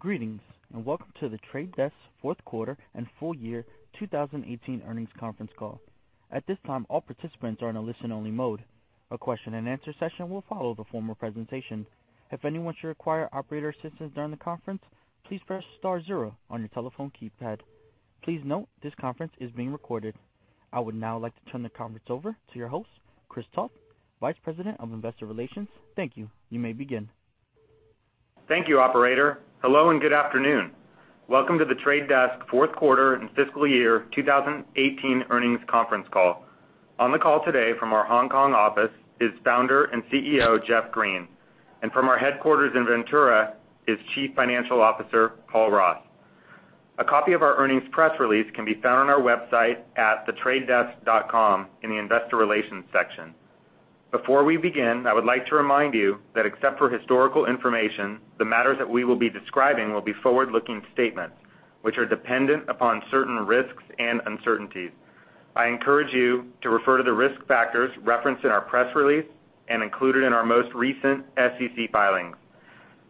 Greetings, and welcome to The Trade Desk's Q4 and Full Year 2018 Earnings Conference Call. At this time, all participants are in a listen-only mode. A question and answer session will follow the formal presentation. If anyone should require operator assistance during the conference, please press star zero on your telephone keypad. Please note this conference is being recorded. I would now like to turn the conference over to your host, Chris Toth, Vice President of Investor Relations. Thank you. You may begin. Thank you, operator. Hello, and good afternoon. Welcome to The Trade Desk Q4 and Fiscal Year 2018 Earnings Conference Call. On the call today from our Hong Kong office is Founder and CEO, Jeff Green, and from our headquarters in Ventura is Chief Financial Officer, Paul Ross. A copy of our earnings press release can be found on our website at thetradedesk.com in the investor relations section. Before we begin, I would like to remind you that except for historical information, the matters that we will be describing will be forward-looking statements which are dependent upon certain risks and uncertainties. I encourage you to refer to the risk factors referenced in our press release and included in our most recent SEC filings.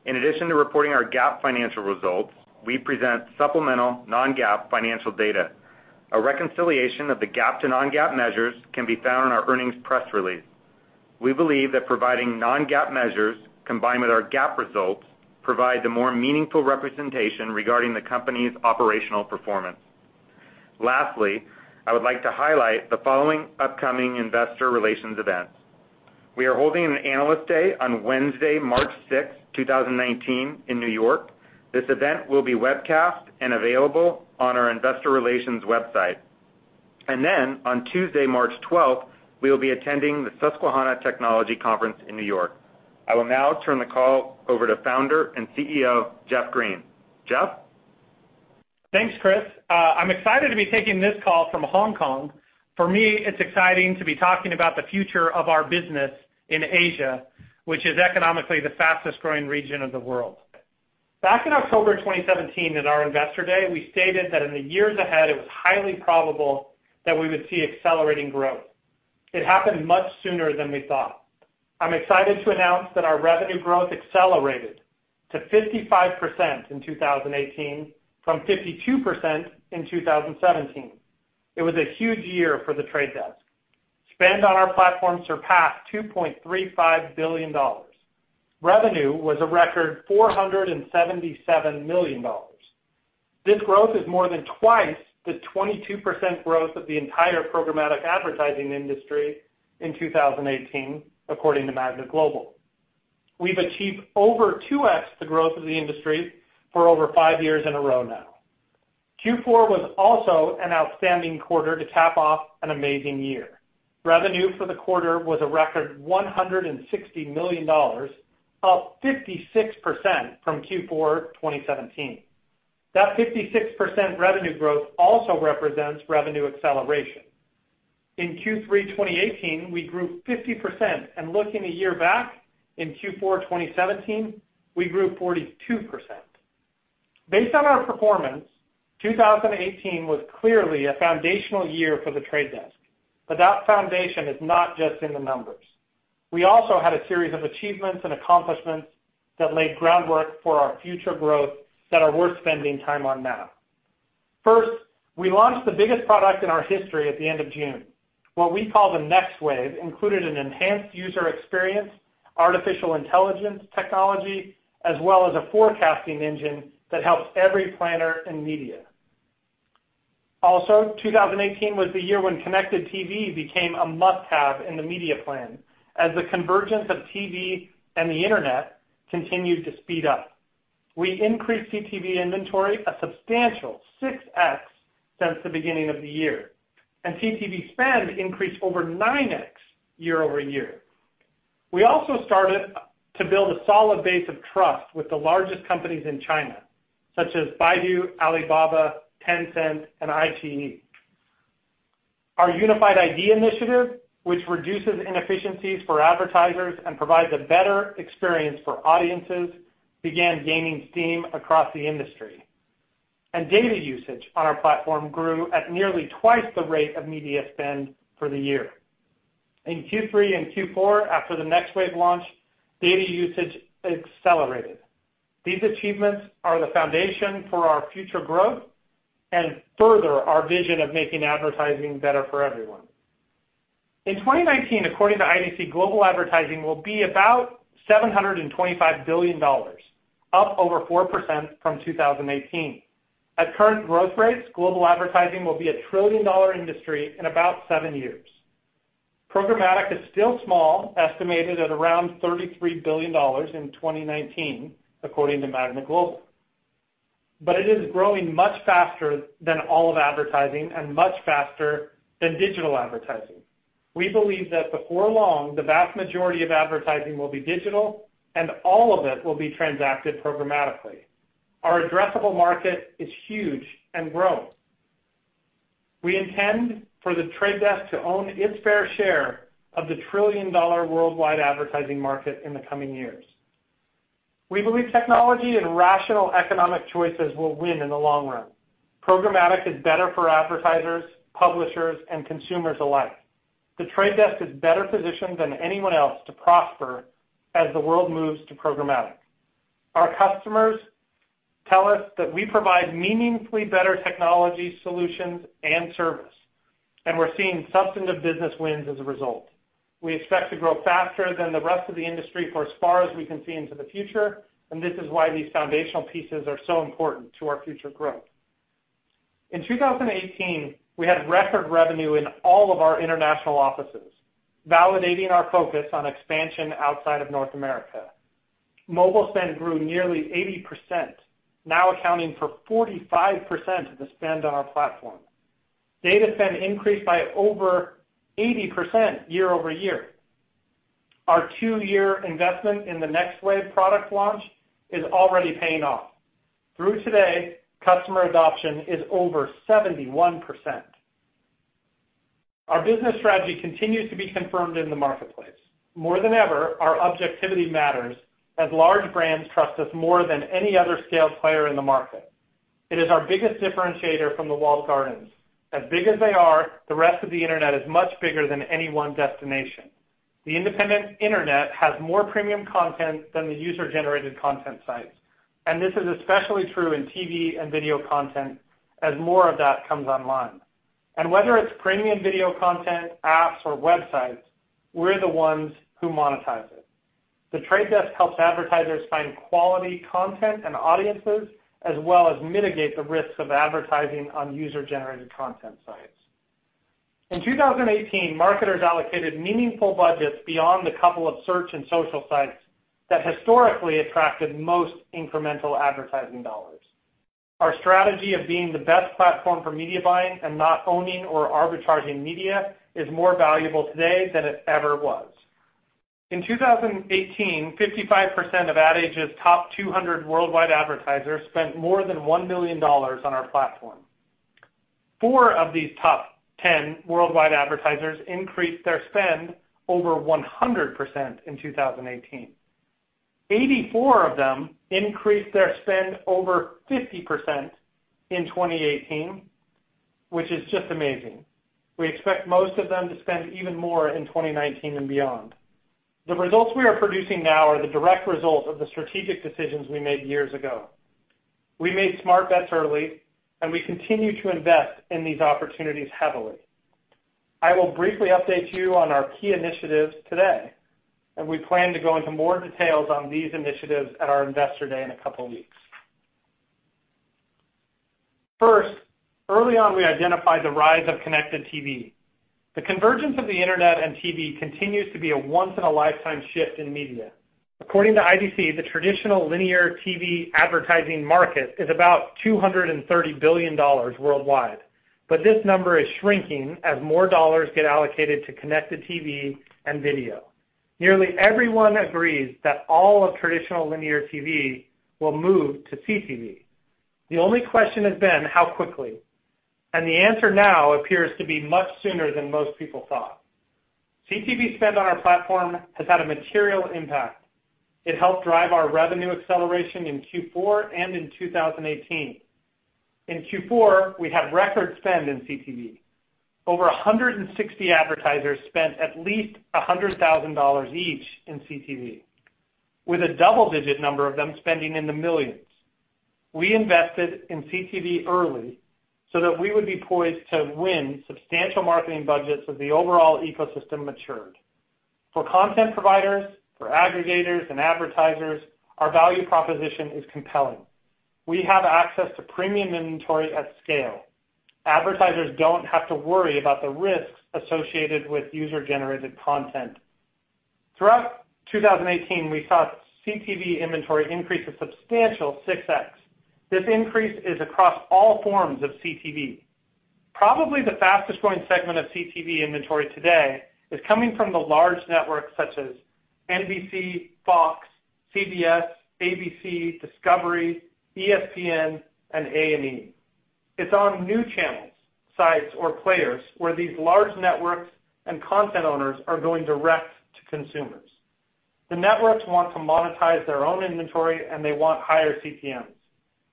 In addition to reporting our GAAP financial results, we present supplemental non-GAAP financial data. A reconciliation of the GAAP to non-GAAP measures can be found in our earnings press release. We believe that providing non-GAAP measures, combined with our GAAP results, provide a more meaningful representation regarding the company's operational performance. Lastly, I would like to highlight the following upcoming investor relations events. We are holding an Analyst Day on Wednesday, March 6th, 2019, in New York. This event will be webcast and available on our investor relations website. On Tuesday, March 12th, we will be attending the Susquehanna Technology Conference in New York. I will now turn the call over to Founder and CEO, Jeff Green. Jeff? Thanks, Chris. I'm excited to be taking this call from Hong Kong. For me, it's exciting to be talking about the future of our business in Asia, which is economically the fastest-growing region of the world. Back in October 2017 at our Investor Day, we stated that in the years ahead, it was highly probable that we would see accelerating growth. It happened much sooner than we thought. I'm excited to announce that our revenue growth accelerated to 55% in 2018 from 52% in 2017. It was a huge year for The Trade Desk. Spend on our platform surpassed $2.35 billion. Revenue was a record $477 million. This growth is more than twice the 22% growth of the entire programmatic advertising industry in 2018, according to Magna Global. We've achieved over 2x the growth of the industry for over five years in a row now. Q4 was also an outstanding quarter to cap off an amazing year. Revenue for the quarter was a record $160 million, up 56% from Q4 2017. That 56% revenue growth also represents revenue acceleration. In Q3 2018, we grew 50%, and looking a year back, in Q4 2017, we grew 42%. Based on our performance, 2018 was clearly a foundational year for The Trade Desk, but that foundation is not just in the numbers. We also had a series of achievements and accomplishments that laid groundwork for our future growth that are worth spending time on now. First, we launched the biggest product in our history at the end of June. What we call the Next Wave included an enhanced user experience, artificial intelligence technology, as well as a forecasting engine that helps every planner in media. 2018 was the year when Connected TV became a must-have in the media plan, as the convergence of TV and the internet continued to speed up. We increased CTV inventory a substantial 6x since the beginning of the year, and CTV spend increased over 9x year-over-year. We also started to build a solid base of trust with the largest companies in China, such as Baidu, Alibaba, Tencent, and iQIYI. Our Unified ID initiative, which reduces inefficiencies for advertisers and provides a better experience for audiences, began gaining steam across the industry, and data usage on our platform grew at nearly twice the rate of media spend for the year. In Q3 and Q4, after the Next Wave launch, data usage accelerated. These achievements are the foundation for our future growth and further our vision of making advertising better for everyone. In 2019, according to IDC, global advertising will be about $725 billion, up over 4% from 2018. At current growth rates, global advertising will be a trillion-dollar industry in about seven years. Programmatic is still small, estimated at around $33 billion in 2019, according to Magna Global, but it is growing much faster than all of advertising and much faster than digital advertising. We believe that before long, the vast majority of advertising will be digital, and all of it will be transacted programmatically. Our addressable market is huge and growing. We intend for The Trade Desk to own its fair share of the trillion-dollar worldwide advertising market in the coming years. We believe technology and rational economic choices will win in the long run. Programmatic is better for advertisers, publishers, and consumers alike. The Trade Desk is better positioned than anyone else to prosper as the world moves to programmatic. Our customers tell us that we provide meaningfully better technology solutions and service, we're seeing substantive business wins as a result. We expect to grow faster than the rest of the industry for as far as we can see into the future, this is why these foundational pieces are so important to our future growth. In 2018, we had record revenue in all of our international offices, validating our focus on expansion outside of North America. Mobile spend grew nearly 80%, now accounting for 45% of the spend on our platform. Data spend increased by over 80% year-over-year. Our two-year investment in the Next Wave product launch is already paying off. Through today, customer adoption is over 71%. Our business strategy continues to be confirmed in the marketplace. More than ever, our objectivity matters as large brands trust us more than any other scale player in the market. It is our biggest differentiator from the walled gardens. As big as they are, the rest of the internet is much bigger than any one destination. The independent internet has more premium content than the user-generated content sites, and this is especially true in TV and video content as more of that comes online. Whether it's premium video content, apps, or websites, we're the ones who monetize it. The Trade Desk helps advertisers find quality content and audiences, as well as mitigate the risks of advertising on user-generated content sites. In 2018, marketers allocated meaningful budgets beyond the couple of search and social sites that historically attracted most incremental advertising dollars. Our strategy of being the best platform for media buying and not owning or arbitraging media is more valuable today than it ever was. In 2018, 55% of Ad Age's top 200 worldwide advertisers spent more than $1 million on our platform. Four of these top ten worldwide advertisers increased their spend over 100% in 2018. 84 of them increased their spend over 50% in 2018, which is just amazing. We expect most of them to spend even more in 2019 and beyond. The results we are producing now are the direct result of the strategic decisions we made years ago. We made smart bets early. We continue to invest in these opportunities heavily. I will briefly update you on our key initiatives today. We plan to go into more details on these initiatives at our Investor Day in a couple of weeks. First, early on, we identified the rise of Connected TV. The convergence of the internet and TV continues to be a once-in-a-lifetime shift in media. According to IDC, the traditional linear TV advertising market is about $230 billion worldwide. This number is shrinking as more dollars get allocated to Connected TV and video. Nearly everyone agrees that all of traditional linear TV will move to CTV. The only question has been how quickly. The answer now appears to be much sooner than most people thought. CTV spend on our platform has had a material impact. It helped drive our revenue acceleration in Q4 and in 2018. In Q4, we had record spend in CTV. Over 160 advertisers spent at least $100,000 each in CTV, with a double-digit number of them spending in the millions. We invested in CTV early so that we would be poised to win substantial marketing budgets as the overall ecosystem matured. For content providers, for aggregators and advertisers, our value proposition is compelling. We have access to premium inventory at scale. Advertisers don't have to worry about the risks associated with user-generated content. Throughout 2018, we saw CTV inventory increase a substantial 6x. This increase is across all forms of CTV. Probably the fastest-growing segment of CTV inventory today is coming from the large networks such as NBC, Fox, CBS, ABC, Discovery, ESPN, and A&E. It's on new channels, sites, or players where these large networks and content owners are going direct to consumers. The networks want to monetize their own inventory. They want higher CPMs.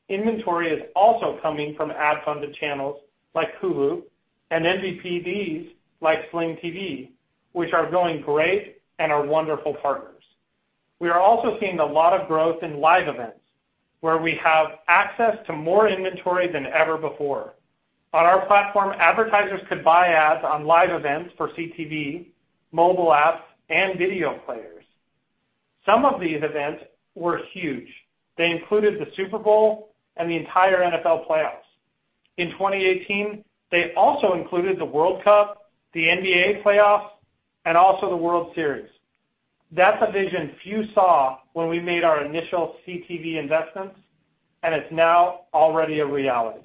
Inventory is also coming from ad-funded channels like Hulu and MVPDs like Sling TV, which are going great and are wonderful partners. We are also seeing a lot of growth in live events where we have access to more inventory than ever before. On our platform, advertisers could buy ads on live events for CTV, mobile apps, and video players. Some of these events were huge. They included the Super Bowl and the entire NFL playoffs. In 2018, they also included the World Cup, the NBA playoffs, and the World Series. That's a vision few saw when we made our initial CTV investments, and it's now already a reality.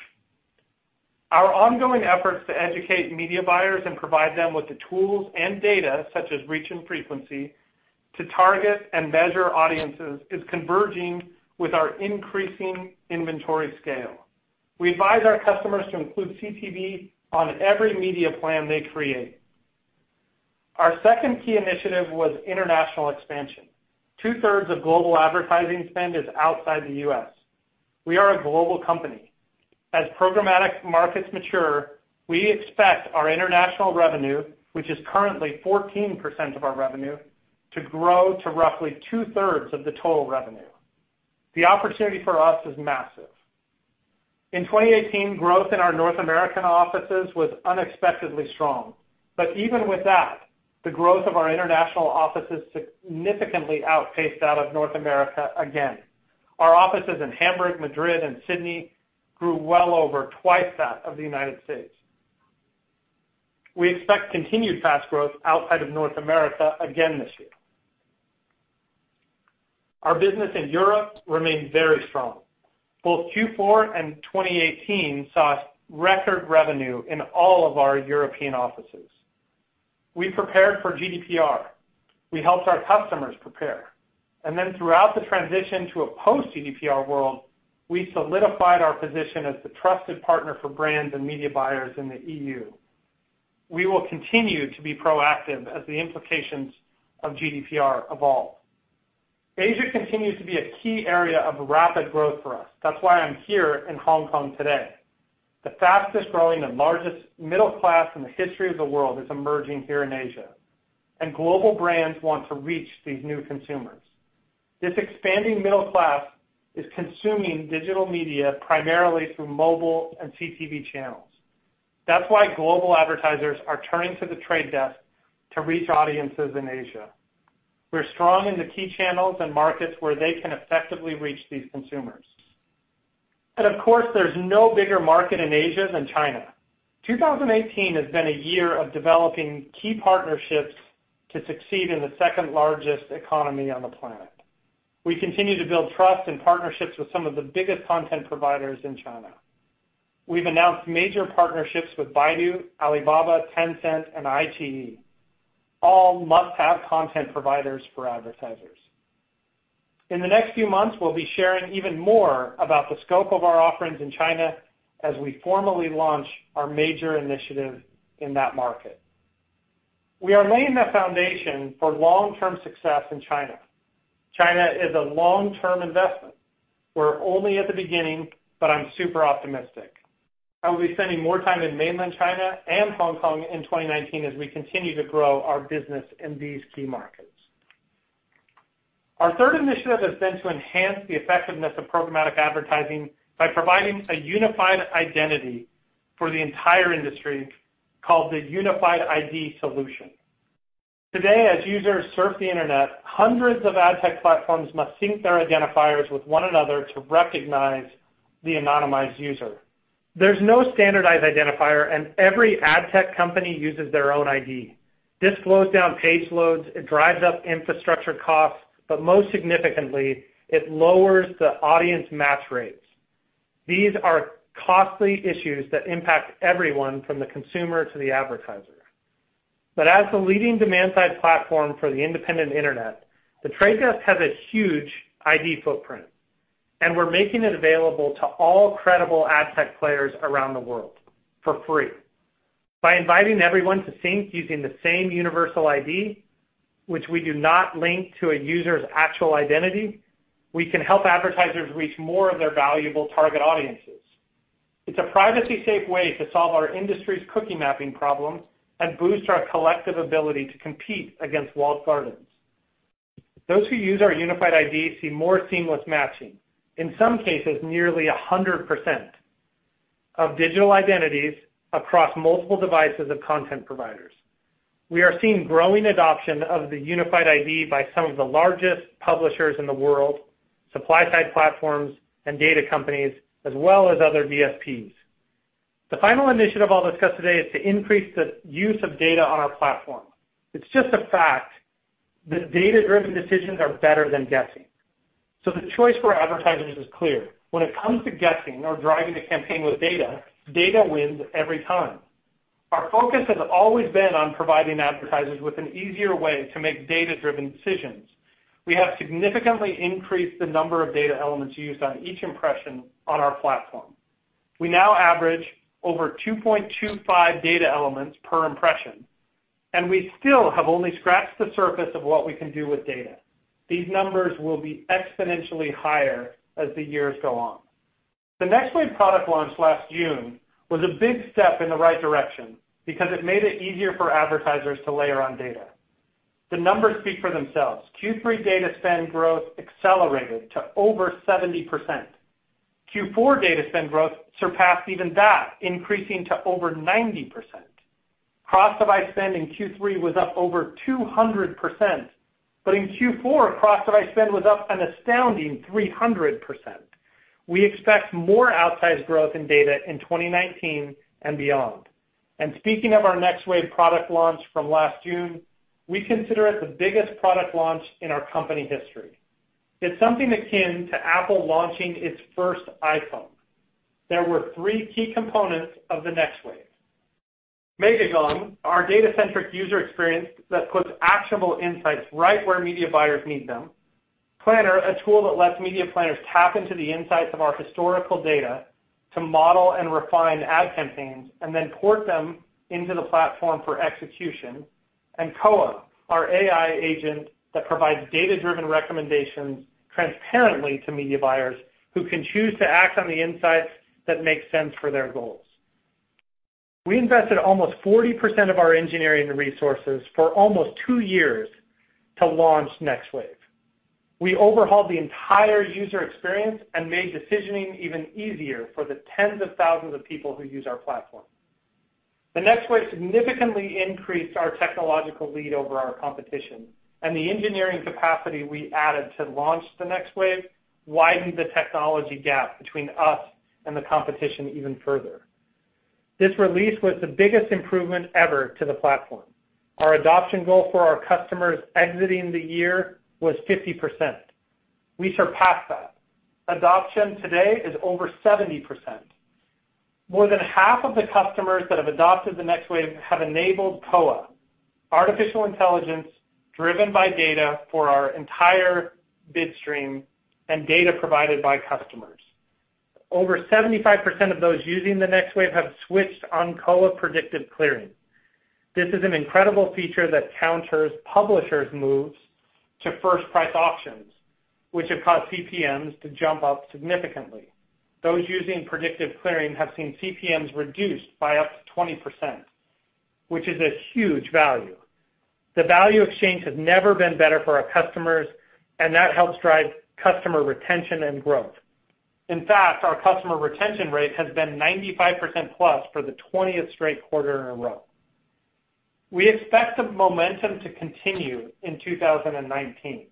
Our ongoing efforts to educate media buyers and provide them with the tools and data, such as reach and frequency, to target and measure audiences is converging with our increasing inventory scale. We advise our customers to include CTV on every media plan they create. Our second key initiative was international expansion. Two-thirds of global advertising spend is outside the U.S. We are a global company. As programmatic markets mature, we expect our international revenue, which is currently 14% of our revenue, to grow to roughly two-thirds of the total revenue. The opportunity for us is massive. In 2018, growth in our North American offices was unexpectedly strong. Even with that, the growth of our international offices significantly outpaced that of North America again. Our offices in Hamburg, Madrid, and Sydney grew well over twice that of the United States. We expect continued fast growth outside of North America again this year. Our business in Europe remains very strong. Both Q4 and 2018 saw record revenue in all of our European offices. We prepared for GDPR, we helped our customers prepare. Throughout the transition to a post-GDPR world, we solidified our position as the trusted partner for brands and media buyers in the EU. We will continue to be proactive as the implications of GDPR evolve. Asia continues to be a key area of rapid growth for us. That's why I'm here in Hong Kong today. The fastest-growing and largest middle class in the history of the world is emerging here in Asia, and global brands want to reach these new consumers. This expanding middle class is consuming digital media primarily through mobile and CTV channels. That's why global advertisers are turning to The Trade Desk to reach audiences in Asia. We're strong in the key channels and markets where they can effectively reach these consumers. Of course, there's no bigger market in Asia than China. 2018 has been a year of developing key partnerships to succeed in the second-largest economy on the planet. We continue to build trust and partnerships with some of the biggest content providers in China. We've announced major partnerships with Baidu, Alibaba, Tencent, and iQIYI. All must-have content providers for advertisers. In the next few months, we'll be sharing even more about the scope of our offerings in China as we formally launch our major initiative in that market. We are laying the foundation for long-term success in China. China is a long-term investment. We're only at the beginning. I'm super optimistic. I will be spending more time in mainland China and Hong Kong in 2019 as we continue to grow our business in these key markets. Our third initiative has been to enhance the effectiveness of programmatic advertising by providing a unified identity for the entire industry, called the Unified ID solution. Today, as users surf the Internet, hundreds of ad tech platforms must sync their identifiers with one another to recognize the anonymized user. There's no standardized identifier. Every ad tech company uses their own ID. This slows down page loads, it drives up infrastructure costs, but most significantly, it lowers the audience match rates. These are costly issues that impact everyone from the consumer to the advertiser. As the leading demand-side platform for the independent Internet, The Trade Desk has a huge ID footprint, and we're making it available to all credible ad tech players around the world for free. By inviting everyone to sync using the same universal ID, which we do not link to a user's actual identity, we can help advertisers reach more of their valuable target audiences. It's a privacy-safe way to solve our industry's cookie mapping problems and boost our collective ability to compete against walled gardens. Those who use our Unified ID see more seamless matching, in some cases, nearly 100% of digital identities across multiple devices of content providers. We are seeing growing adoption of the Unified ID by some of the largest publishers in the world, supply-side platforms, and data companies, as well as other DSPs. The final initiative I'll discuss today is to increase the use of data on our platform. It's just a fact that data-driven decisions are better than guessing. The choice for advertisers is clear. When it comes to guessing or driving the campaign with data wins every time. Our focus has always been on providing advertisers with an easier way to make data-driven decisions. We have significantly increased the number of data elements used on each impression on our platform. We now average over 2.25 data elements per impression, and we still have only scratched the surface of what we can do with data. These numbers will be exponentially higher as the years go on. The Next Wave product launch last June was a big step in the right direction because it made it easier for advertisers to layer on data. The numbers speak for themselves. Q3 data spend growth accelerated to over 70%. Q4 data spend growth surpassed even that, increasing to over 90%. Cross-device spend in Q3 was up over 200%, but in Q4, cross-device spend was up an astounding 300%. We expect more outsized growth in data in 2019 and beyond. Speaking of our Next Wave product launch from last June, we consider it the biggest product launch in our company history. It's something akin to Apple launching its first iPhone. There were three key components of the Next Wave. Megagon, our data-centric user experience that puts actionable insights right where media buyers need them. Planner, a tool that lets media planners tap into the insights of our historical data to model and refine ad campaigns and then port them into the platform for execution. Koa, our AI agent that provides data-driven recommendations transparently to media buyers who can choose to act on the insights that make sense for their goals. We invested almost 40% of our engineering resources for almost two years to launch Next Wave. We overhauled the entire user experience and made decisioning even easier for the tens of thousands of people who use our platform. The Next Wave significantly increased our technological lead over our competition and the engineering capacity we added to launch the Next Wave widened the technology gap between us and the competition even further. This release was the biggest improvement ever to the platform. Our adoption goal for our customers exiting the year was 50%. We surpassed that. Adoption today is over 70%. More than half of the customers that have adopted the Next Wave have enabled Koa, artificial intelligence driven by data for our entire bid stream and data provided by customers. Over 75% of those using the Next Wave have switched on Koa Predictive Clearing. This is an incredible feature that counters publishers' moves to first price auctions, which have caused CPMs to jump up significantly. Those using Predictive Clearing have seen CPMs reduced by up to 20%, which is a huge value. The value exchange has never been better for our customers, and that helps drive customer retention and growth. In fact, our customer retention rate has been 95%+ for the 20th straight quarter in a row. We expect the momentum to continue in 2019.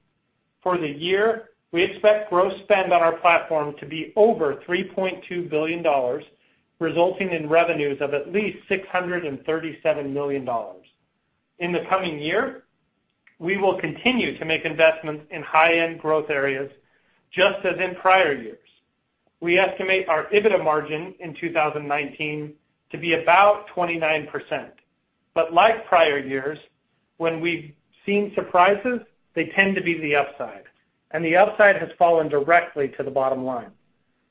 For the year, we expect gross spend on our platform to be over $3.2 billion, resulting in revenues of at least $637 million. In the coming year, we will continue to make investments in high-end growth areas, just as in prior years. We estimate our EBITDA margin in 2019 to be about 29%. Like prior years, when we've seen surprises, they tend to be the upside, and the upside has fallen directly to the bottom line.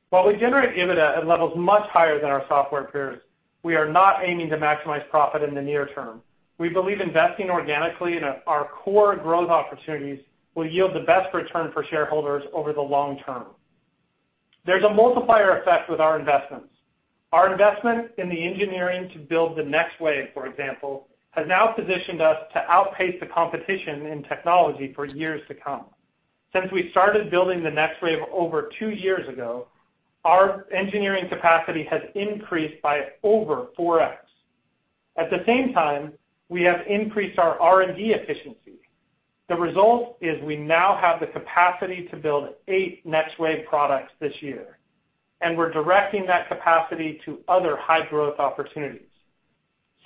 While we generate EBITDA at levels much higher than our software peers, we are not aiming to maximize profit in the near term. We believe investing organically in our core growth opportunities will yield the best return for shareholders over the long term. There's a multiplier effect with our investments. Our investment in the engineering to build the Next Wave, for example, has now positioned us to outpace the competition in technology for years to come. Since we started building the Next Wave over two years ago, our engineering capacity has increased by over 4x. At the same time, we have increased our R&D efficiency. The result is we now have the capacity to build eight Next Wave products this year, and we're directing that capacity to other high-growth opportunities.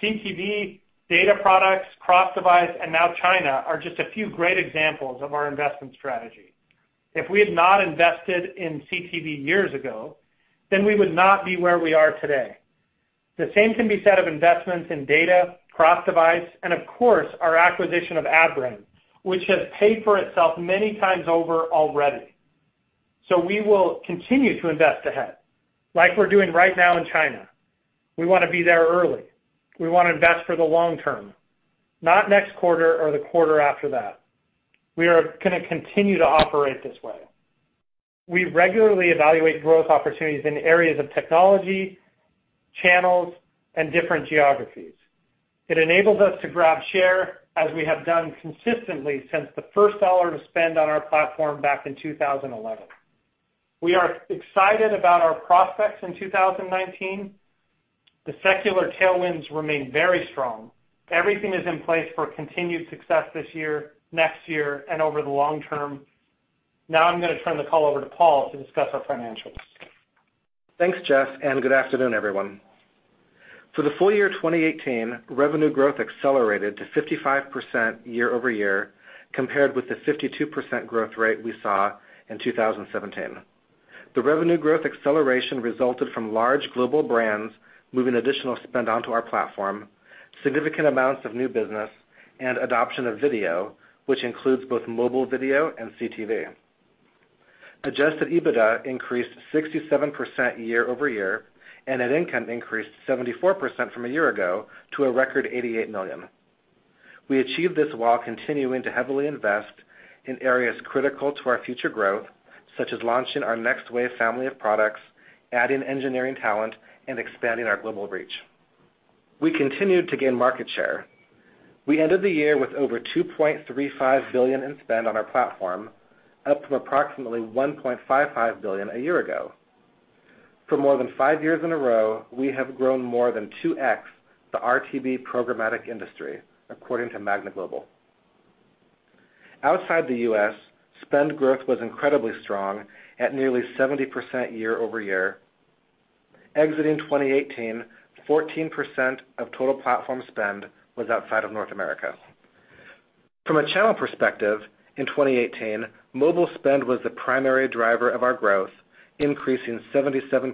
CTV, data products, cross-device, and now China are just a few great examples of our investment strategy. If we had not invested in CTV years ago, we would not be where we are today. The same can be said of investments in data, cross-device, and of course, our acquisition of Adbrain, which has paid for itself many times over already. We will continue to invest ahead like we're doing right now in China. We want to be there early. We want to invest for the long term, not next quarter or the quarter after that. We are going to continue to operate this way. We regularly evaluate growth opportunities in areas of technology, channels, and different geographies. It enables us to grab share as we have done consistently since the first dollar to spend on our platform back in 2011. We are excited about our prospects in 2019. The secular tailwinds remain very strong. Everything is in place for continued success this year, next year, and over the long term. I'm going to turn the call over to Paul to discuss our financials. Thanks, Jeff, and good afternoon, everyone. For the full year 2018, revenue growth accelerated to 55% year-over-year compared with the 52% growth rate we saw in 2017. The revenue growth acceleration resulted from large global brands moving additional spend onto our platform, significant amounts of new business, and adoption of video, which includes both mobile video and CTV. Adjusted EBITDA increased 67% year-over-year, and net income increased 74% from a year ago to a record $88 million. We achieved this while continuing to heavily invest in areas critical to our future growth, such as launching our Next Wave family of products, adding engineering talent, and expanding our global reach. We continued to gain market share. We ended the year with over $2.35 billion in spend on our platform, up from approximately $1.55 billion a year ago. For more than five years in a row, we have grown more than 2x the RTB programmatic industry, according to Magna Global. Outside the U.S., spend growth was incredibly strong at nearly 70% year-over-year. Exiting 2018, 14% of total platform spend was outside of North America. From a channel perspective in 2018, mobile spend was the primary driver of our growth, increasing 77%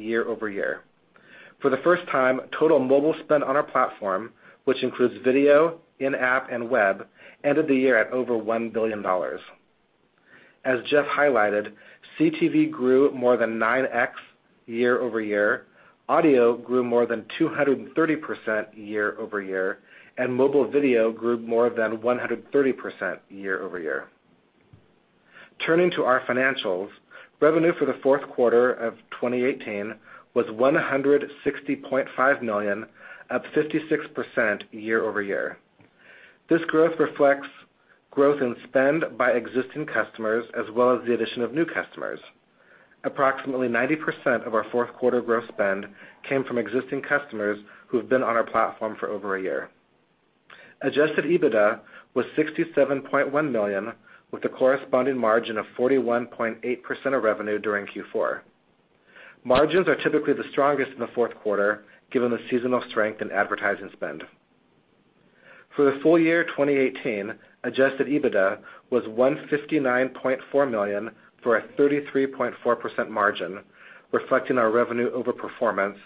year-over-year. For the first time, total mobile spend on our platform, which includes video, in-app, and web, ended the year at over $1 billion. As Jeff highlighted, CTV grew more than 9x year-over-year, audio grew more than 230% year-over-year, and mobile video grew more than 130% year-over-year. Turning to our financials, revenue for Q4 of 2018 was $160.5 million, up 56% year-over-year. This growth reflects growth in spend by existing customers as well as the addition of new customers. Approximately 90% of our Q4 growth spend came from existing customers who have been on our platform for over a year. Adjusted EBITDA was $67.1 million, with a corresponding margin of 41.8% of revenue during Q4. Margins are typically the strongest in Q4, given the seasonal strength in advertising spend. For the full year 2018, Adjusted EBITDA was $159.4 million for a 33.4% margin, reflecting our revenue over performance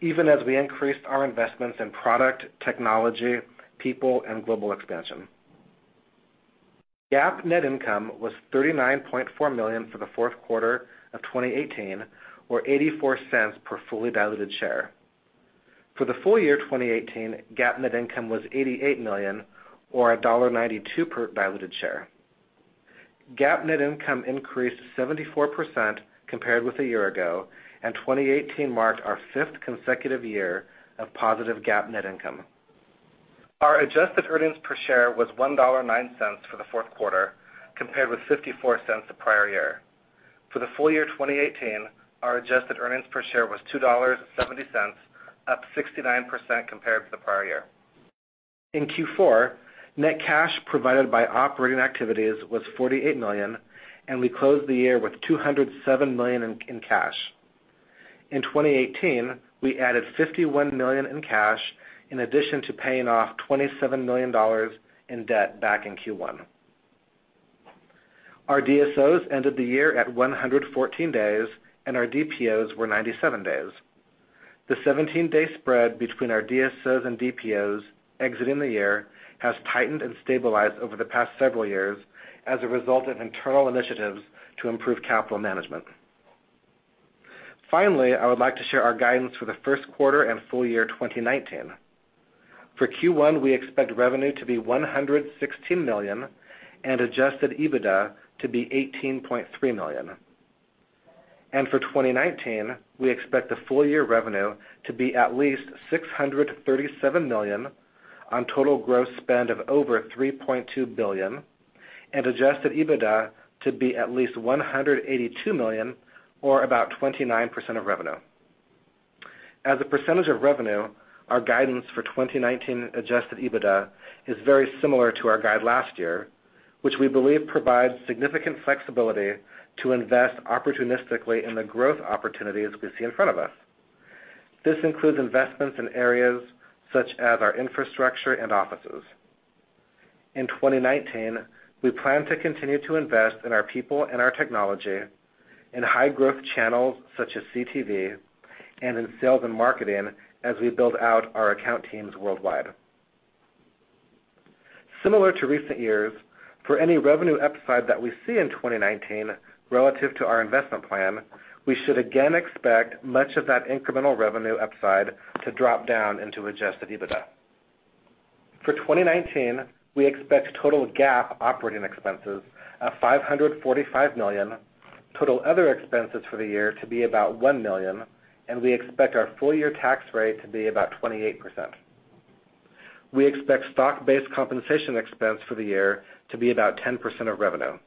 even as we increased our investments in product, technology, people, and global expansion. GAAP net income was $39.4 million for the Q4 of 2018, or $0.84 per fully diluted share. For the full year 2018, GAAP net income was $88 million, or $1.92 per diluted share. GAAP net income increased 74% compared with a year ago, 2018 marked our fifth consecutive year of positive GAAP net income. Our adjusted earnings per share was $1.09 for Q4, compared with $0.54 the prior year. For the full year 2018, our adjusted earnings per share was $2.70, up 69% compared to the prior year. In Q4, net cash provided by operating activities was $48 million. We closed the year with $207 million in cash. In 2018, we added $51 million in cash, in addition to paying off $27 million in debt back in Q1. Our DSOs ended the year at 114 days. Our DPOs were 97 days. The 17-day spread between our DSOs and DPOs exiting the year has tightened and stabilized over the past several years as a result of internal initiatives to improve capital management. Finally, I would like to share our guidance for the Q1 and full year 2019. For Q1, we expect revenue to be $116 million and Adjusted EBITDA to be $18.3 million. For 2019, we expect the full year revenue to be at least $637 million on total gross spend of over $3.2 billion and Adjusted EBITDA to be at least $182 million or about 29% of revenue. As a percentage of revenue, our guidance for 2019 Adjusted EBITDA is very similar to our guide last year, which we believe provides significant flexibility to invest opportunistically in the growth opportunities we see in front of us. This includes investments in areas such as our infrastructure and offices. In 2019, we plan to continue to invest in our people and our technology, in high-growth channels such as CTV, and in sales and marketing as we build out our account teams worldwide. Similar to recent years, for any revenue upside that we see in 2019 relative to our investment plan, we should again expect much of that incremental revenue upside to drop down into Adjusted EBITDA. For 2019, we expect total GAAP operating expenses of $545 million, total other expenses for the year to be about $1 million, and we expect our full-year tax rate to be about 28%. We expect stock-based compensation expense for the year to be about 10% of revenue.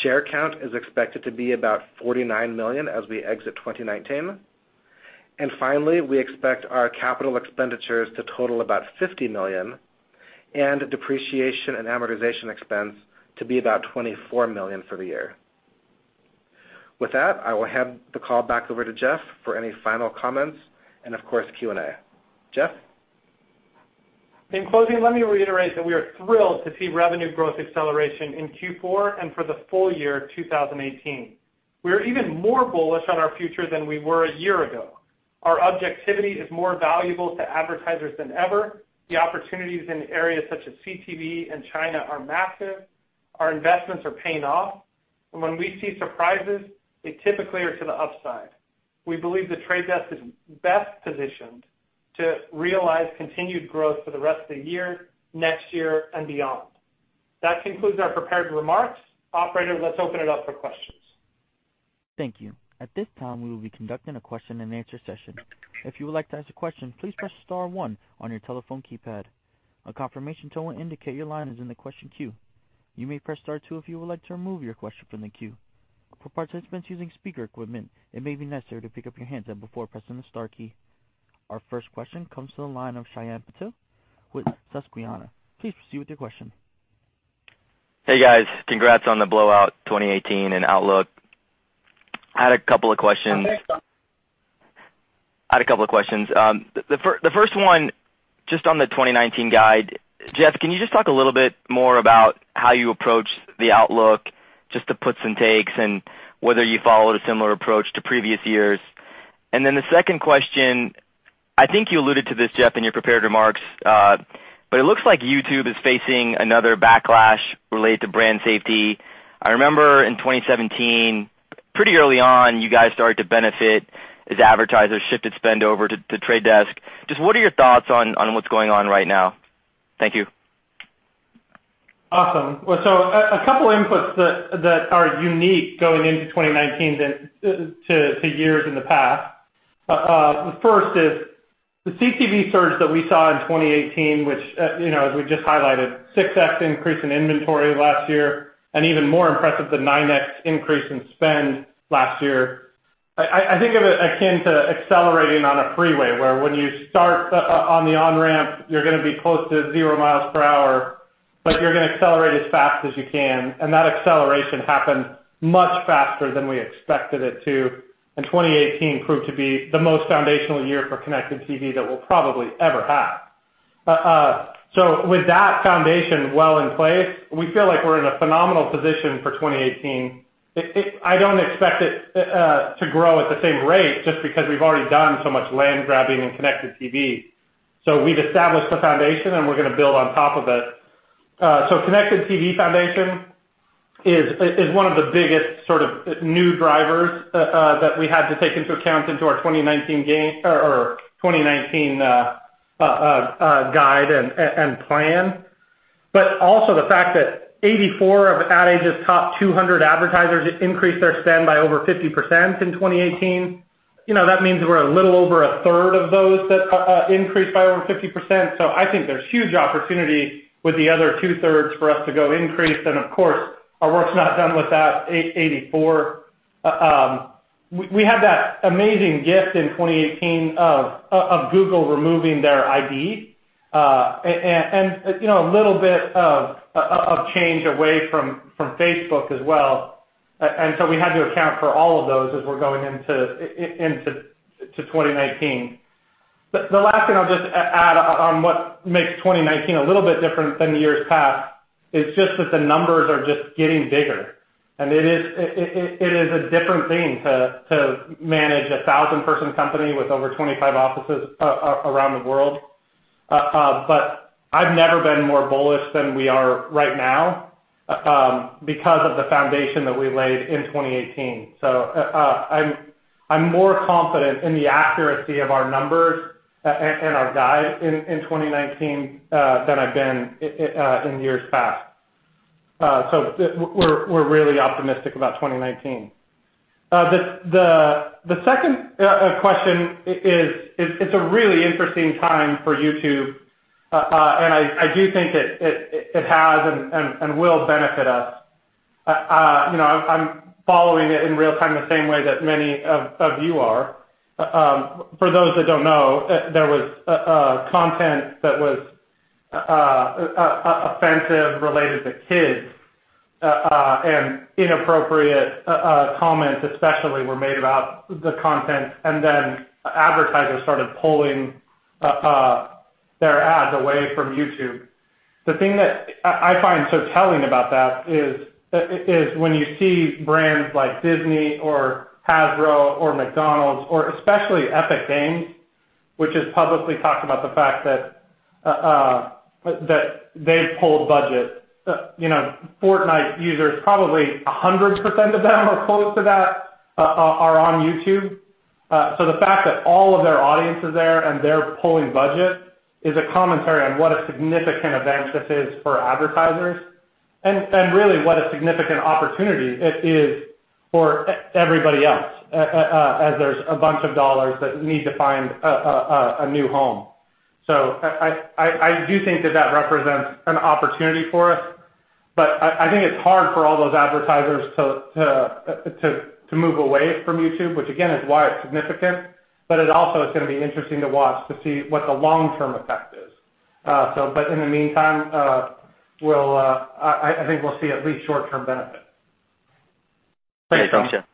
Share count is expected to be about 49 million as we exit 2019. Finally, we expect our capital expenditures to total about $50 million and depreciation and amortization expense to be about $24 million for the year. With that, I will hand the call back over to Jeff for any final comments and of course, Q&A. Jeff? In closing, let me reiterate that we are thrilled to see revenue growth acceleration in Q4 and for the full year 2018. We are even more bullish on our future than we were a year ago. Our objectivity is more valuable to advertisers than ever. The opportunities in areas such as CTV and China are massive. Our investments are paying off. When we see surprises, they typically are to the upside. We believe The Trade Desk is best positioned to realize continued growth for the rest of the year, next year, and beyond. That concludes our prepared remarks. Operator, let's open it up for questions. Thank you. At this time, we will be conducting a question-and-answer session. If you would like to ask a question, please press star one on your telephone keypad. A confirmation tone will indicate your line is in the question queue. You may press star two if you would like to remove your question from the queue. For participants using speaker equipment, it may be necessary to pick up your handset before pressing the star key. Our first question comes to the line of Shyam Patil with Susquehanna. Please proceed with your question. Hey, guys. Congrats on the blowout 2018 and outlook. I had a couple of questions. Thanks. I had a couple of questions. The first one, just on the 2019 guide, Jeff, can you just talk a little bit more about how you approach the outlook, just the puts and takes, and whether you followed a similar approach to previous years? Then the second question I think you alluded to this, Jeff, in your prepared remarks, it looks like YouTube is facing another backlash related to brand safety. I remember in 2017, pretty early on, you guys started to benefit as advertisers shifted spend over to The Trade Desk. Just what are your thoughts on what's going on right now? Thank you. A couple inputs that are unique going into 2019 to years past. First is the CTV surge that we saw in 2018, which, as we just highlighted, 6x increase in inventory last year and even more impressive, the 9x increase in spend last year. I think of it akin to accelerating on a freeway where when you start on the on-ramp, you're going to be close to zero mi per hour, but you're going to accelerate as fast as you can and that acceleration happened much faster than we expected it to. 2018 proved to be the most foundational year for Connected TV that we'll probably ever have. With that foundation well in place, we feel like we're in a phenomenal position for 2018. I don't expect it to grow at the same rate just because we've already done so much land grabbing in Connected TV. We've established the foundation and we're going to build on top of it. Connected TV foundation is one of the biggest new drivers that we had to take into account into our 2019 guide and plan. Also the fact that 84 of Ad Age's top 200 advertisers increased their spend by over 50% in 2018. That means we're a little over a third of those that increased by over 50%. I think there's huge opportunity with the other two-thirds for us to go increase and of course our work's not done with that 84. We had that amazing gift in 2018 of Google removing their ID, a little bit of change away from Facebook as well. We had to account for all of those as we're going into 2019. The last thing I'll just add on what makes 2019 a little bit different than years past is just that the numbers are just getting bigger. It is a different thing to manage a 1,000 person company with over 25 offices around the world, I've never been more bullish than we are right now because of the foundation that we laid in 2018. I'm more confident in the accuracy of our numbers and our guide in 2019 than I've been in years past. We're really optimistic about 2019. The second question is, it's a really interesting time for YouTube, I do think it has and will benefit us. I'm following it in real time the same way that many of you are. For those that don't know, there was content that was offensive related to kids, inappropriate comments especially were made about the content then advertisers started pulling their ads away from YouTube. The thing that I find so telling about that is when you see brands like Disney or Hasbro or McDonald's or especially Epic Games, which has publicly talked about the fact that they've pulled budget. Fortnite users, probably 100% of them or close to that are on YouTube. The fact that all of their audience is there and they're pulling budget is a commentary on what a significant event this is for advertisers and really what a significant opportunity it is for everybody else as there's a bunch of dollars that need to find a new home. I do think that that represents an opportunity for us, I think it's hard for all those advertisers to move away from YouTube, which again is why it's significant, it also is going to be interesting to watch to see what the long-term effect is. In the meantime, I think we'll see at least short-term benefits. Thanks, Jeff.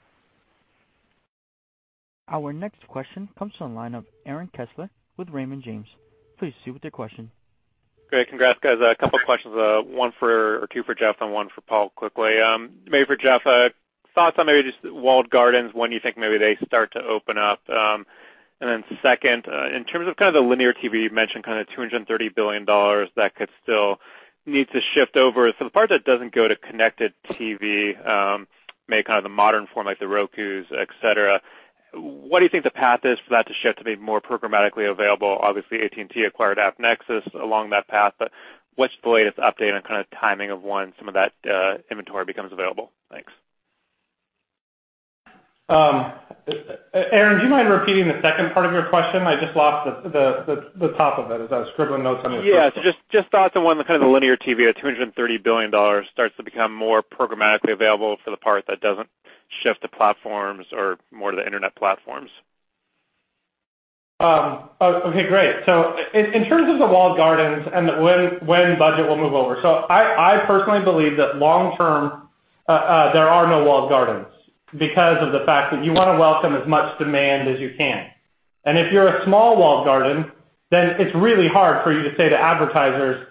Our next question comes from the line of Aaron Kessler with Raymond James. Please proceed with your question. Great. Congrats, guys. A couple questions, two for Jeff and one for Paul quickly. Maybe for Jeff, thoughts on maybe just walled gardens, when you think maybe they start to open up. Second, in terms of kind of the linear TV, you mentioned $230 billion that could still need to shift over. The part that doesn't go to Connected TV, maybe the modern form like the Roku, et cetera, what do you think the path is for that to shift to be more programmatically available? Obviously, AT&T acquired AppNexus along that path, what's the latest update on kind of timing of when some of that inventory becomes available? Thanks. Aaron, do you mind repeating the second part of your question? I just lost the top of it as I was scribbling notes on your first one. Yeah, just thoughts on when the kind of the linear TV at $230 billion starts to become more programmatically available for the part that doesn't shift to platforms or more to the internet platforms. Okay, great. In terms of the walled gardens and when budget will move over. I personally believe that long-term, there are no walled gardens because of the fact that you want to welcome as much demand as you can. If you're a small walled garden, then it's really hard for you to say to advertisers,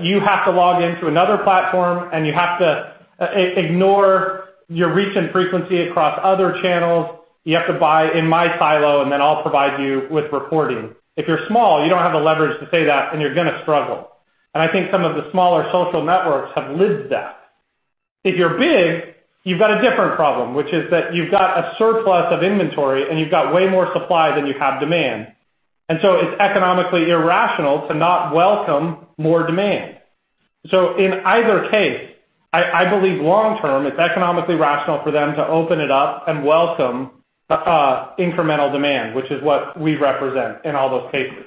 "You have to log into another platform, and you have to ignore your reach and frequency across other channels. You have to buy in my silo, and then I'll provide you with reporting." If you're small, you don't have the leverage to say that, and you're going to struggle. I think some of the smaller social networks have lived that. If you're big, you've got a different problem, which is that you've got a surplus of inventory, and you've got way more supply than you have demand. It's economically irrational to not welcome more demand. In either case, I believe long term, it's economically rational for them to open it up and welcome incremental demand, which is what we represent in all those cases.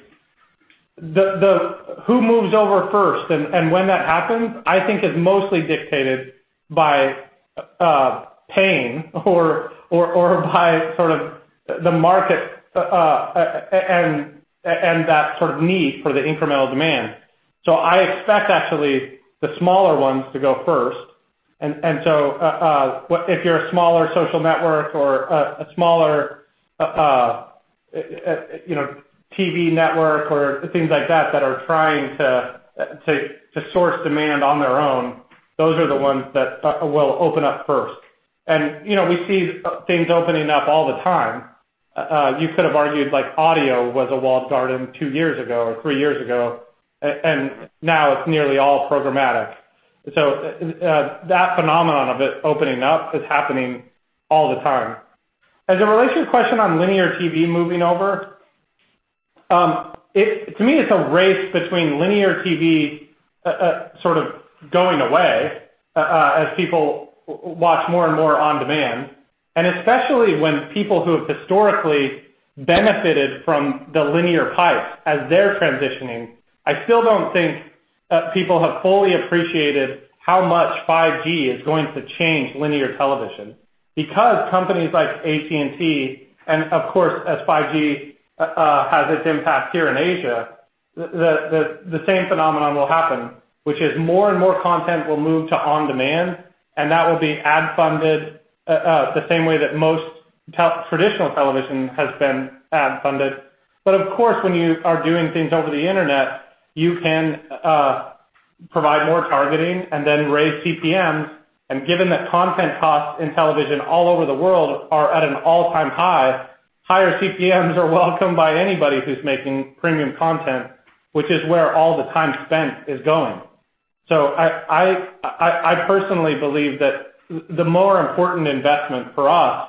Who moves over first and when that happens, I think is mostly dictated by pain or by the market, and that sort of need for the incremental demand. I expect, actually, the smaller ones to go first. If you're a smaller social network or a smaller TV network or things like that are trying to source demand on their own, those are the ones that will open up first. We see things opening up all the time. You could have argued like audio was a walled garden two years ago or three years ago, and now it's nearly all programmatic. That phenomenon of it opening up is happening all the time. As it relates to your question on linear TV moving over, to me, it's a race between linear TV sort of going away as people watch more and more on-demand. Especially when people who have historically benefited from the linear pipes as they're transitioning. I still don't think people have fully appreciated how much 5G is going to change linear television. Because companies like AT&T, and of course, as 5G has its impact here in Asia, the same phenomenon will happen, which is more and more content will move to on-demand, and that will be ad-funded, the same way that most traditional television has been ad-funded. But of course, when you are doing things over the Internet, you can provide more targeting and then raise CPMs. Given that content costs in television all over the world are at an all-time high, higher CPMs are welcome by anybody who's making premium content, which is where all the time spent is going. I personally believe that the more important investment for us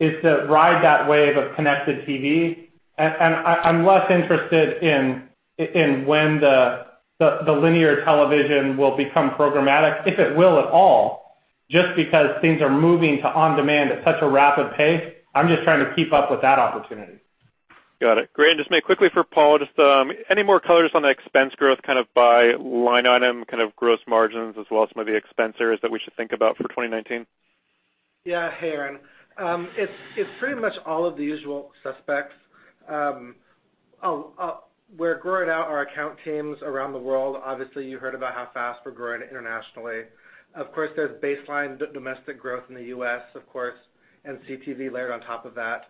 is to ride that wave of Connected TV. I'm less interested in when the linear television will become programmatic, if it will at all, just because things are moving to on-demand at such a rapid pace. I'm just trying to keep up with that opportunity. Got it. Great. Just maybe quickly for Paul, just any more colors on the expense growth kind of by line item, kind of gross margins as well as some of the expense areas that we should think about for 2019? Hey, Aaron. It's pretty much all of the usual suspects. We're growing out our account teams around the world. Obviously, you heard about how fast we're growing internationally. Of course, there's baseline domestic growth in the U.S., of course, and CTV layered on top of that.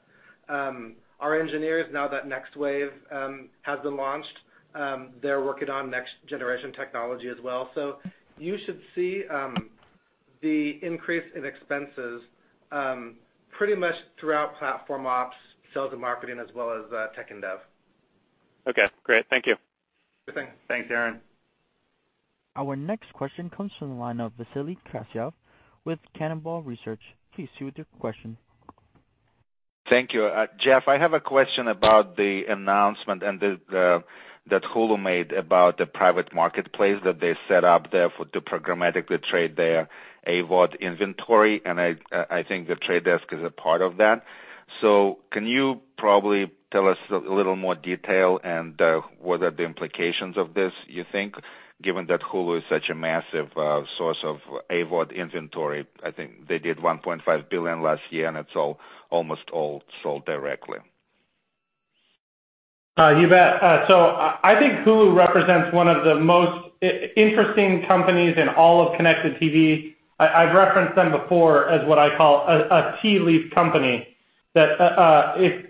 Our engineers, now that Next Wave has been launched, they're working on next generation technology as well. You should see the increase in expenses pretty much throughout platform ops, sales and marketing, as well as tech and dev. Okay, great. Thank you. Sure thing. Thanks, Aaron. Our next question comes from the line of Vasily Karasyov with Cannonball Research. Please proceed with your question. Thank you. Jeff, I have a question about the announcement that Hulu made about the private marketplace that they set up there for to programmatically trade their AVOD inventory, and I think The Trade Desk is a part of that. Can you probably tell us a little more detail and what are the implications of this, you think, given that Hulu is such a massive source of AVOD inventory? I think they did $1.5 billion last year, and it's almost all sold directly. You bet. I think Hulu represents one of the most interesting companies in all of Connected TV. I've referenced them before as what I call a tea leaf company, that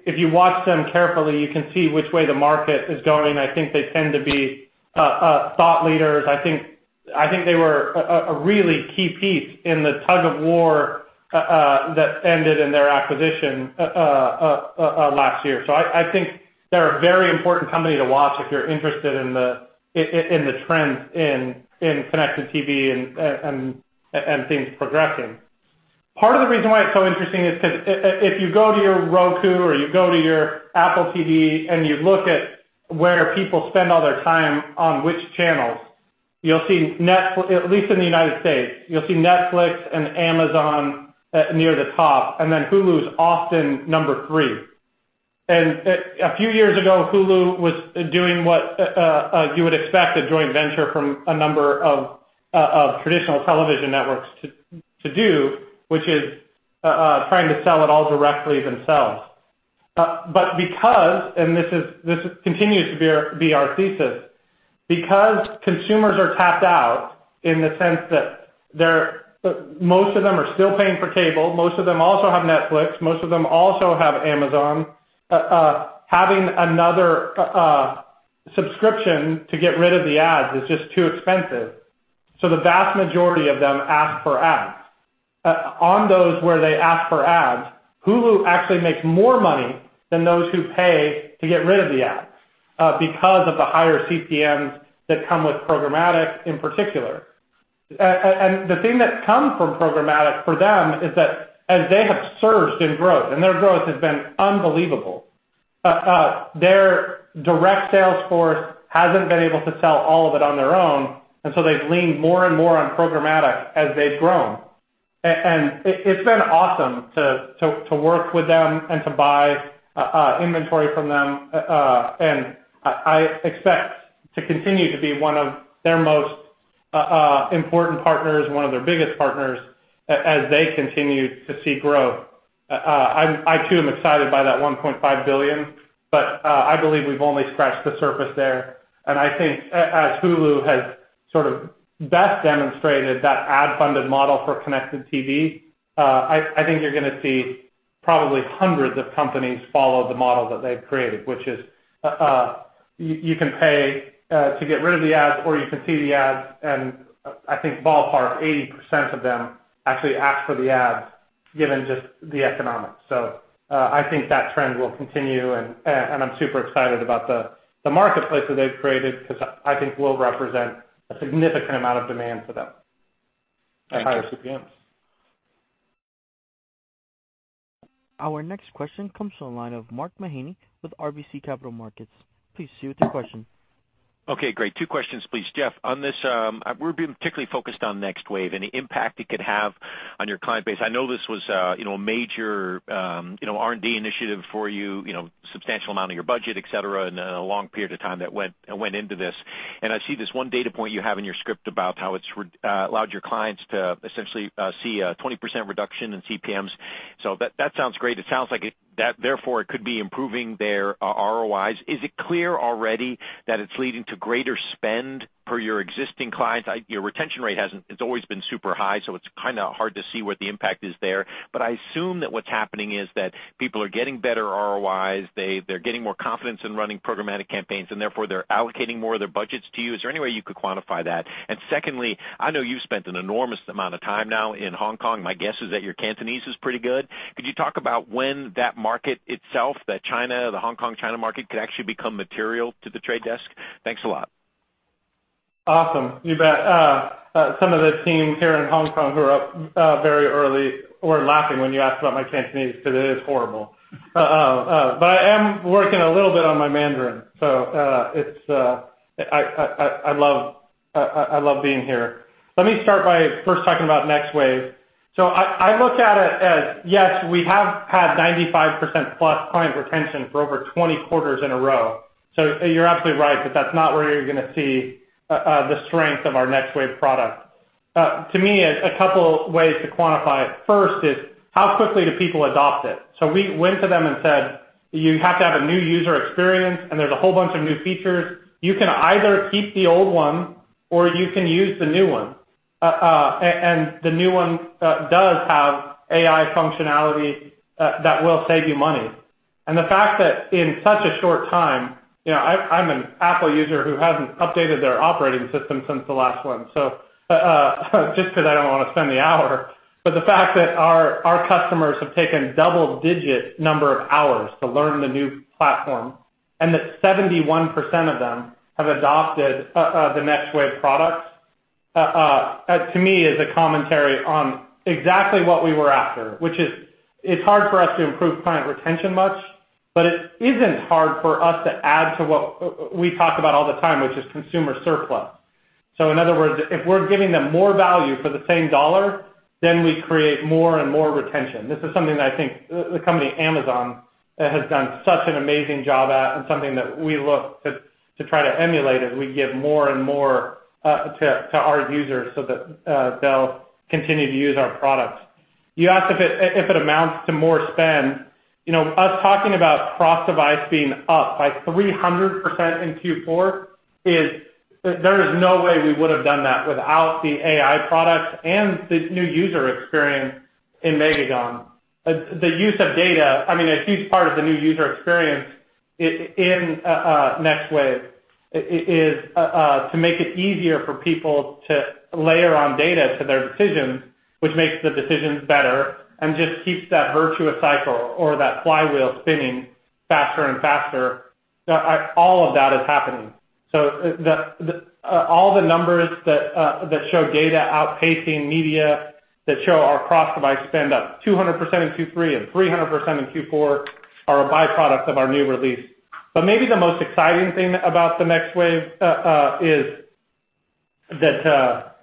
if you watch them carefully, you can see which way the market is going, and I think they tend to be thought leaders. I think they were a really key piece in the tug-of-war that ended in their acquisition last year. I think they're a very important company to watch if you're interested in the trends in Connected TV and things progressing. Part of the reason why it's so interesting is because if you go to your Roku or you go to your Apple TV and you look at where people spend all their time on which channels, at least in the United States, you'll see Netflix and Amazon near the top, and then Hulu's often number three. A few years ago, Hulu was doing what you would expect a joint venture from a number of traditional television networks to do, which is trying to sell it all directly themselves. This continues to be our thesis. Because consumers are tapped out in the sense that most of them are still paying for cable, most of them also have Netflix, most of them also have Amazon, having another subscription to get rid of the ads is just too expensive. The vast majority of them ask for ads. On those where they ask for ads, Hulu actually makes more money than those who pay to get rid of the ads because of the higher CPMs that come with programmatic in particular. The thing that comes from programmatic for them is that as they have surged in growth, and their growth has been unbelievable, their direct sales force hasn't been able to sell all of it on their own, so they've leaned more and more on programmatic as they've grown. It's been awesome to work with them and to buy inventory from them. I expect to continue to be one of their most important partners, one of their biggest partners as they continue to see growth. I too am excited by that $1.5 billion, but I believe we've only scratched the surface there. I think as Hulu has sort of best demonstrated that ad-funded model for Connected TV, I think you're gonna see probably hundreds of companies follow the model that they've created, which is, you can pay to get rid of the ads or you can see the ads. I think ballpark 80% of them actually ask for the ads given just the economics. I think that trend will continue and I'm super excited about the marketplace that they've created because I think we'll represent a significant amount of demand for them and higher CPMs. Our next question comes from the line of Mark Mahaney with RBC Capital Markets. Please proceed with your question. Okay, great. Two questions please. Jeff, on this, we're being particularly focused on Next Wave and the impact it could have on your client base. I know this was a major R&D initiative for you, substantial amount of your budget, et cetera, and a long period of time that went into this. I see this one data point you have in your script about how it's allowed your clients to essentially see a 20% reduction in CPMs. That sounds great. It sounds like therefore it could be improving their ROIs. Is it clear already that it's leading to greater spend per your existing clients? It's always been super high, so it's kind of hard to see what the impact is there. I assume that what's happening is that people are getting better ROIs, they're getting more confidence in running programmatic campaigns and therefore they're allocating more of their budgets to you. Is there any way you could quantify that? Secondly, I know you've spent an enormous amount of time now in Hong Kong. My guess is that your Cantonese is pretty good. Could you talk about when that market itself, the Hong Kong-China market, could actually become material to The Trade Desk? Thanks a lot. Awesome. You bet. Some of the team here in Hong Kong who are up very early were laughing when you asked about my Cantonese because it is horrible. I am working a little bit on my Mandarin. I love being here. Let me start by first talking about Next Wave. I look at it as, yes, we have had 95%+ client retention for over 20 quarters in a row. You're absolutely right that that's not where you're gonna see the strength of our Next Wave product. To me, a couple ways to quantify it. First is, how quickly do people adopt it? We went to them and said, "You have to have a new user experience, and there's a whole bunch of new features. You can either keep the old one or you can use the new one. The new one does have AI functionality that will save you money." The fact that in such a short time, I'm an Apple user who hasn't updated their operating system since the last one, just because I don't want to spend the hour. The fact that our customers have taken double-digit number of hours to learn the new platform and that 71% of them have adopted the Next Wave products, to me is a commentary on exactly what we were after, which is, it's hard for us to improve client retention much, but it isn't hard for us to add to what we talk about all the time, which is consumer surplus. In other words, if we're giving them more value for the same dollar, we create more and more retention. This is something that I think the company Amazon has done such an amazing job at, and something that we look to try to emulate as we give more and more to our users so that they'll continue to use our products. You asked if it amounts to more spend. Us talking about cross-device being up by 300% in Q4, there is no way we would have done that without the AI products and the new user experience in Megagon. The use of data, a huge part of the new user experience in Next Wave is to make it easier for people to layer on data to their decisions, which makes the decisions better and just keeps that virtuous cycle or that flywheel spinning faster and faster. All of that is happening. All the numbers that show data outpacing media, that show our cross-device spend up 200% in Q3 and 300% in Q4 are a byproduct of our new release. Maybe the most exciting thing about the Next Wave, is that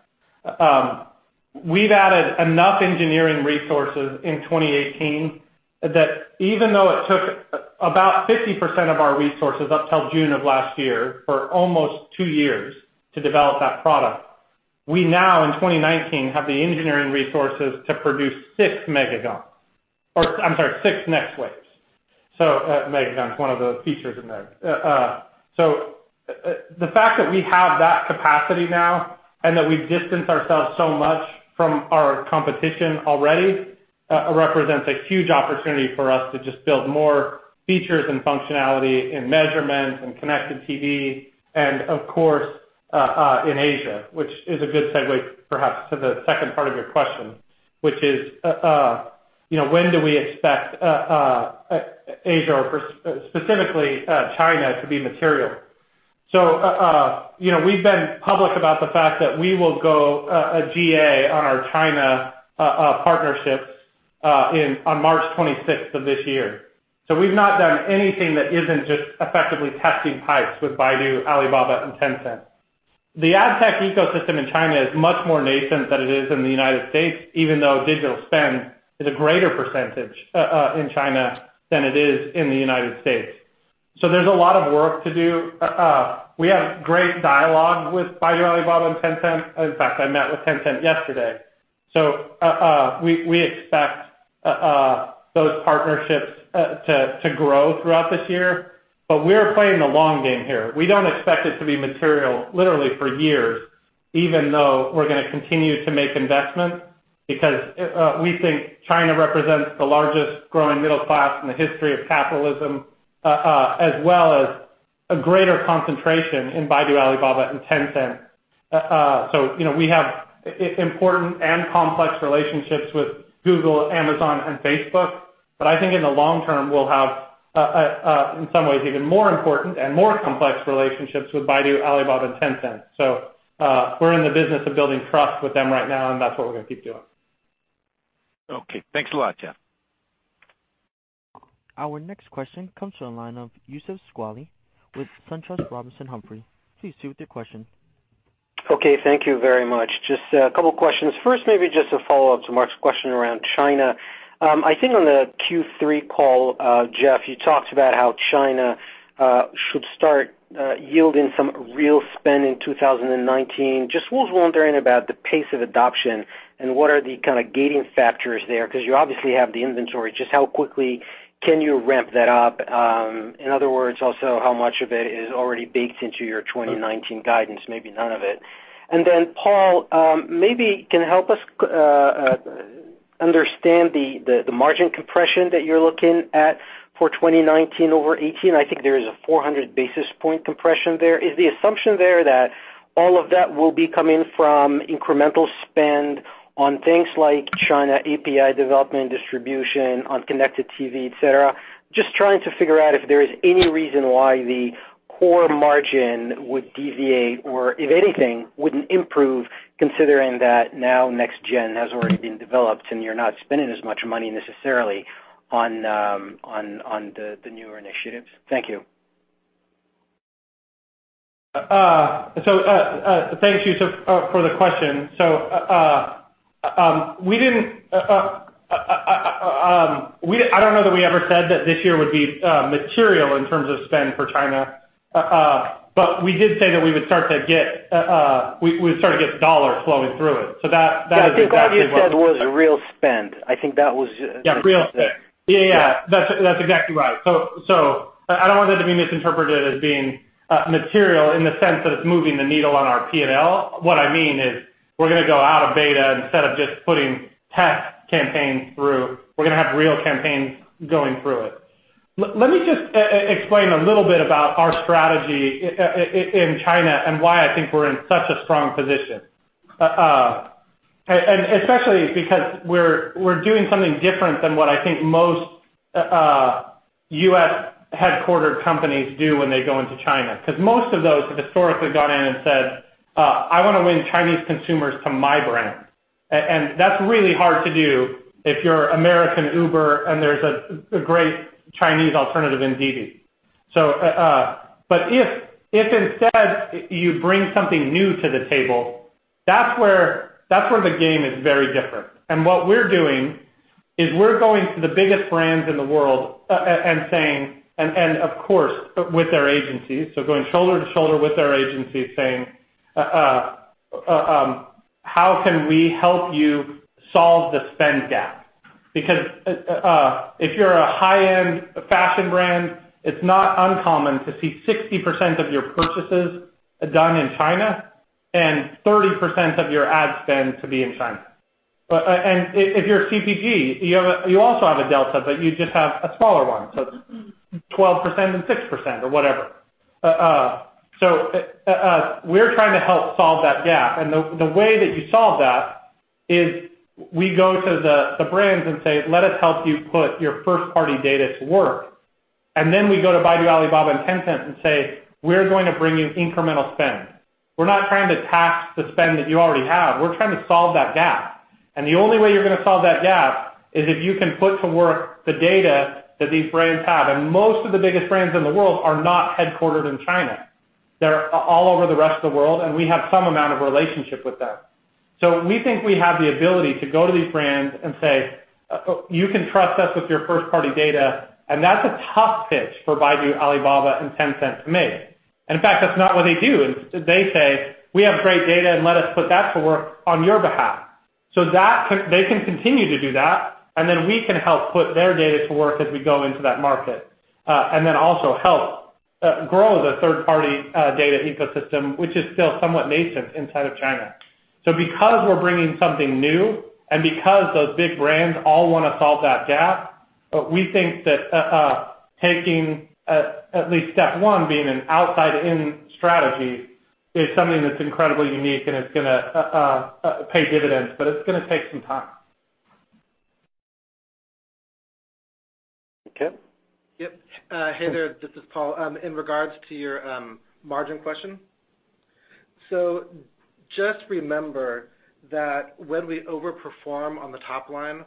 we've added enough engineering resources in 2018 that even though it took about 50% of our resources up till June of last year, for almost two years to develop that product, we now in 2019 have the engineering resources to produce eight Next Waves. Megagon, one of the features in there. The fact that we have that capacity now and that we've distanced ourselves so much from our competition already, represents a huge opportunity for us to just build more features and functionality in measurements and Connected TV and of course, in Asia, which is a good segue perhaps to the second part of your question, which is, when do we expect Asia or specifically China to be material? We've been public about the fact that we will go a GA on our China partnerships on March 26th of this year. We've not done anything that isn't just effectively testing pipes with Baidu, Alibaba and Tencent. The ad tech ecosystem in China is much more nascent than it is in the United States, even though digital spend is a greater percentage in China than it is in the United States. There's a lot of work to do. We have great dialogue with Baidu, Alibaba and Tencent. In fact, I met with Tencent yesterday. We expect those partnerships to grow throughout this year, but we are playing the long game here. We don't expect it to be material literally for years, even though we're going to continue to make investments because we think China represents the largest growing middle class in the history of capitalism, as well as a greater concentration in Baidu, Alibaba and Tencent. We have important and complex relationships with Google, Amazon and Facebook. I think in the long term, we'll have, in some ways, even more important and more complex relationships with Baidu, Alibaba and Tencent. We're in the business of building trust with them right now, and that's what we're going to keep doing. Okay, thanks a lot, Jeff. Our next question comes from the line of Youssef Squali with SunTrust Robinson Humphrey. Please proceed with your question. Okay. Thank you very much. Just a couple of questions. First, maybe just a follow-up to Mark's question around China. I think on the Q3 call, Jeff, you talked about how China should start yielding some real spend in 2019. Just was wondering about the pace of adoption and what are the kind of gating factors there, because you obviously have the inventory. Just how quickly can you ramp that up? In other words, also, how much of it is already baked into your 2019 guidance? Maybe none of it. Paul, maybe can help us understand the margin compression that you're looking at for 2019 over 2018. I think there is a 400 basis point compression there. Is the assumption there that all of that will be coming from incremental spend on things like China API development, distribution on Connected TV, et cetera? Just trying to figure out if there is any reason why the core margin would deviate or if anything, wouldn't improve considering that now Next Wave has already been developed and you're not spending as much money necessarily on the newer initiatives. Thank you. Thanks, Youssef, for the question. I don't know that we ever said that this year would be material in terms of spend for China, but we did say that we would start to get dollars flowing through it. That is exactly what- Yeah, I think all you said was a real spend. I think that was- Yeah, real spend. Yeah. That's exactly right. I don't want that to be misinterpreted as being material in the sense that it's moving the needle on our P&L. What I mean is we're going to go out of beta instead of just putting test campaigns through, we're going to have real campaigns going through it. Let me just explain a little bit about our strategy in China and why I think we're in such a strong position. Especially because we're doing something different than what I think most U.S. headquartered companies do when they go into China. Because most of those have historically gone in and said, "I want to win Chinese consumers to my brand." That's really hard to do if you're American Uber and there's a great Chinese alternative in Didi. If instead you bring something new to the table, that's where the game is very different. What we're doing is we're going to the biggest brands in the world and saying, and of course, with their agencies, going shoulder to shoulder with their agencies saying, "How can we help you solve the spend gap?" Because if you're a high-end fashion brand, it's not uncommon to see 60% of your purchases done in China and 30% of your ad spend to be in China. But if you're CPG, you also have a delta, but you just have a smaller one. It's 12% and 6% or whatever. We're trying to help solve that gap. The way that you solve that is we go to the brands and say, "Let us help you put your first party data to work." We go to Baidu, Alibaba and Tencent and say, "We're going to bring you incremental spend." We're not trying to tax the spend that you already have. We're trying to solve that gap. The only way you're going to solve that gap is if you can put to work the data that these brands have. Most of the biggest brands in the world are not headquartered in China. They're all over the rest of the world, and we have some amount of relationship with them. We think we have the ability to go to these brands and say, "You can trust us with your first party data." That's a tough pitch for Baidu, Alibaba and Tencent to make. In fact, that's not what they do. They say, "We have great data and let us put that to work on your behalf." So they can continue to do that, we can help put their data to work as we go into that market. Also help grow the third-party data ecosystem, which is still somewhat nascent inside of China. Because we're bringing something new and because those big brands all want to solve that gap, we think that taking at least step one, being an outside-in strategy, is something that's incredibly unique, and it's going to pay dividends, but it's going to take some time. Okay. Yep. Hey there, this is Paul. In regards to your margin question. Just remember that when we overperform on the top line,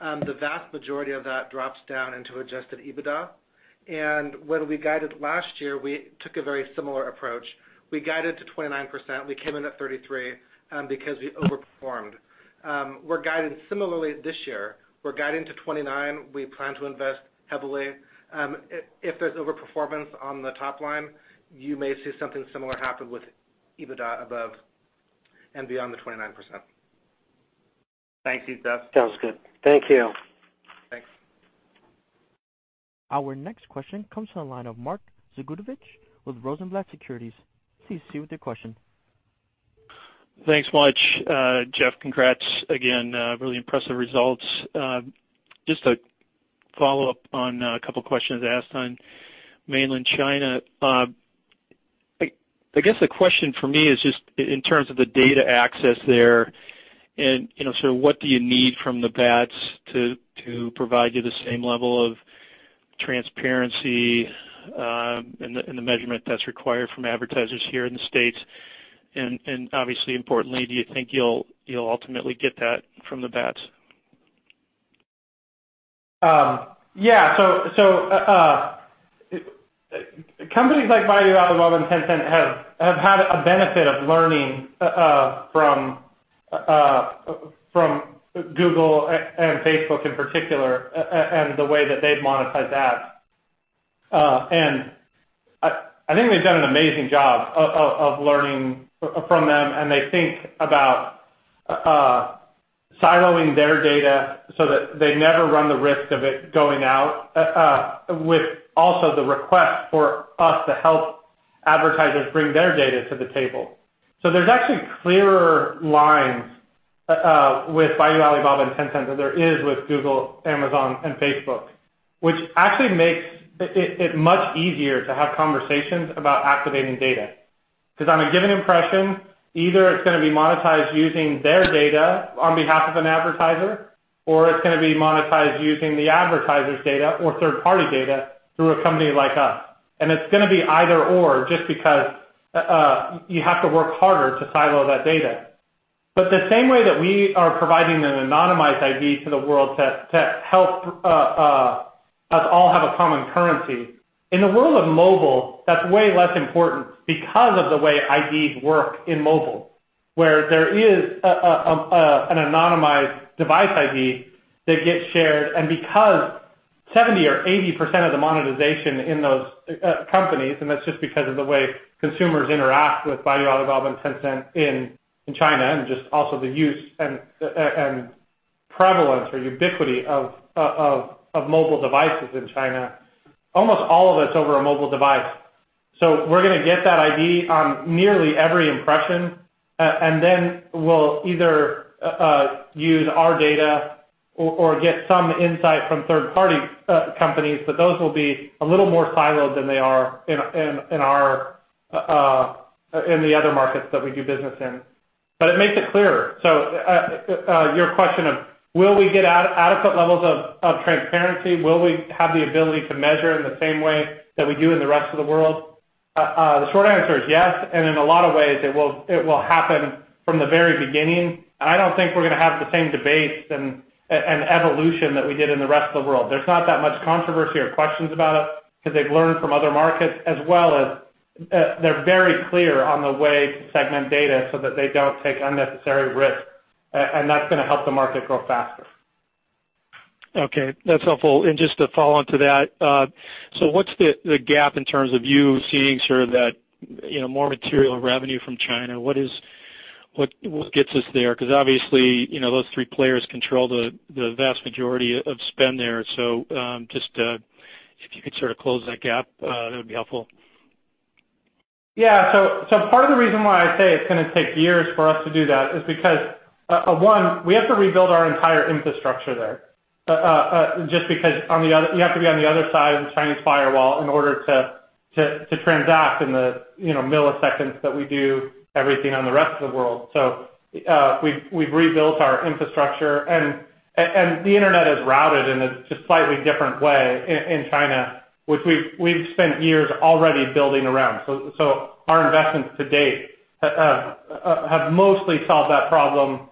the vast majority of that drops down into Adjusted EBITDA. When we guided last year, we took a very similar approach. We guided to 29%, we came in at 33% because we overperformed. We're guiding similarly this year. We're guiding to 29%. We plan to invest heavily. If there's overperformance on the top line, you may see something similar happen with EBITDA above and beyond the 29%. Thank you, Paul. Sounds good. Thank you. Thanks. Our next question comes from the line of Mark Zgutowicz with Rosenblatt Securities. Please proceed with your question. Thanks much, Jeff. Congrats again. Really impressive results. Just a follow-up on a couple questions asked on mainland China. I guess the question for me is just in terms of the data access there and sort of what do you need from the BATs to provide you the same level of transparency and the measurement that's required from advertisers here in the U.S.? Obviously importantly, do you think you'll ultimately get that from the BATs? Yeah. Companies like Baidu, Alibaba, and Tencent have had a benefit of learning from Google and Facebook in particular and the way that they monetize ads. I think they've done an amazing job of learning from them, and they think about siloing their data so that they never run the risk of it going out, with also the request for us to help advertisers bring their data to the table. There's actually clearer lines with Baidu, Alibaba, and Tencent than there is with Google, Amazon and Facebook, which actually makes it much easier to have conversations about activating data. Because on a given impression, either it's going to be monetized using their data on behalf of an advertiser, or it's going to be monetized using the advertiser's data or third-party data through a company like us. It's going to be either/or just because you have to work harder to silo that data. The same way that we are providing an anonymized ID to the world to help us all have a common currency, in the world of mobile, that's way less important because of the way IDs work in mobile, where there is an anonymized device ID that gets shared. Because 70% or 80% of the monetization in those companies, and that's just because of the way consumers interact with Baidu, Alibaba, and Tencent in China, and just also the use and prevalence or ubiquity of mobile devices in China, almost all of it's over a mobile device. We're going to get that ID on nearly every impression, and then we'll either use our data or get some insight from third-party companies, but those will be a little more siloed than they are in the other markets that we do business in. It makes it clearer. Your question of will we get adequate levels of transparency? Will we have the ability to measure in the same way that we do in the rest of the world? The short answer is yes, and in a lot of ways, it will happen from the very beginning. I don't think we're going to have the same debates and evolution that we did in the rest of the world. There's not that much controversy or questions about it because they've learned from other markets as well as they're very clear on the way to segment data so that they don't take unnecessary risks. That's going to help the market grow faster. Okay. That's helpful. Just to follow on to that, what's the gap in terms of you seeing sort of that more material revenue from China? What gets us there? Obviously, those three players control the vast majority of spend there. Just if you could sort of close that gap, that would be helpful. Part of the reason why I say it's going to take years for us to do that is because one, we have to rebuild our entire infrastructure there, just because you have to be on the other side of the Chinese firewall in order to transact in the milliseconds that we do everything on the rest of the world. We've rebuilt our infrastructure and the internet is routed in a slightly different way in China, which we've spent years already building around. Our investments to date have mostly solved that problem,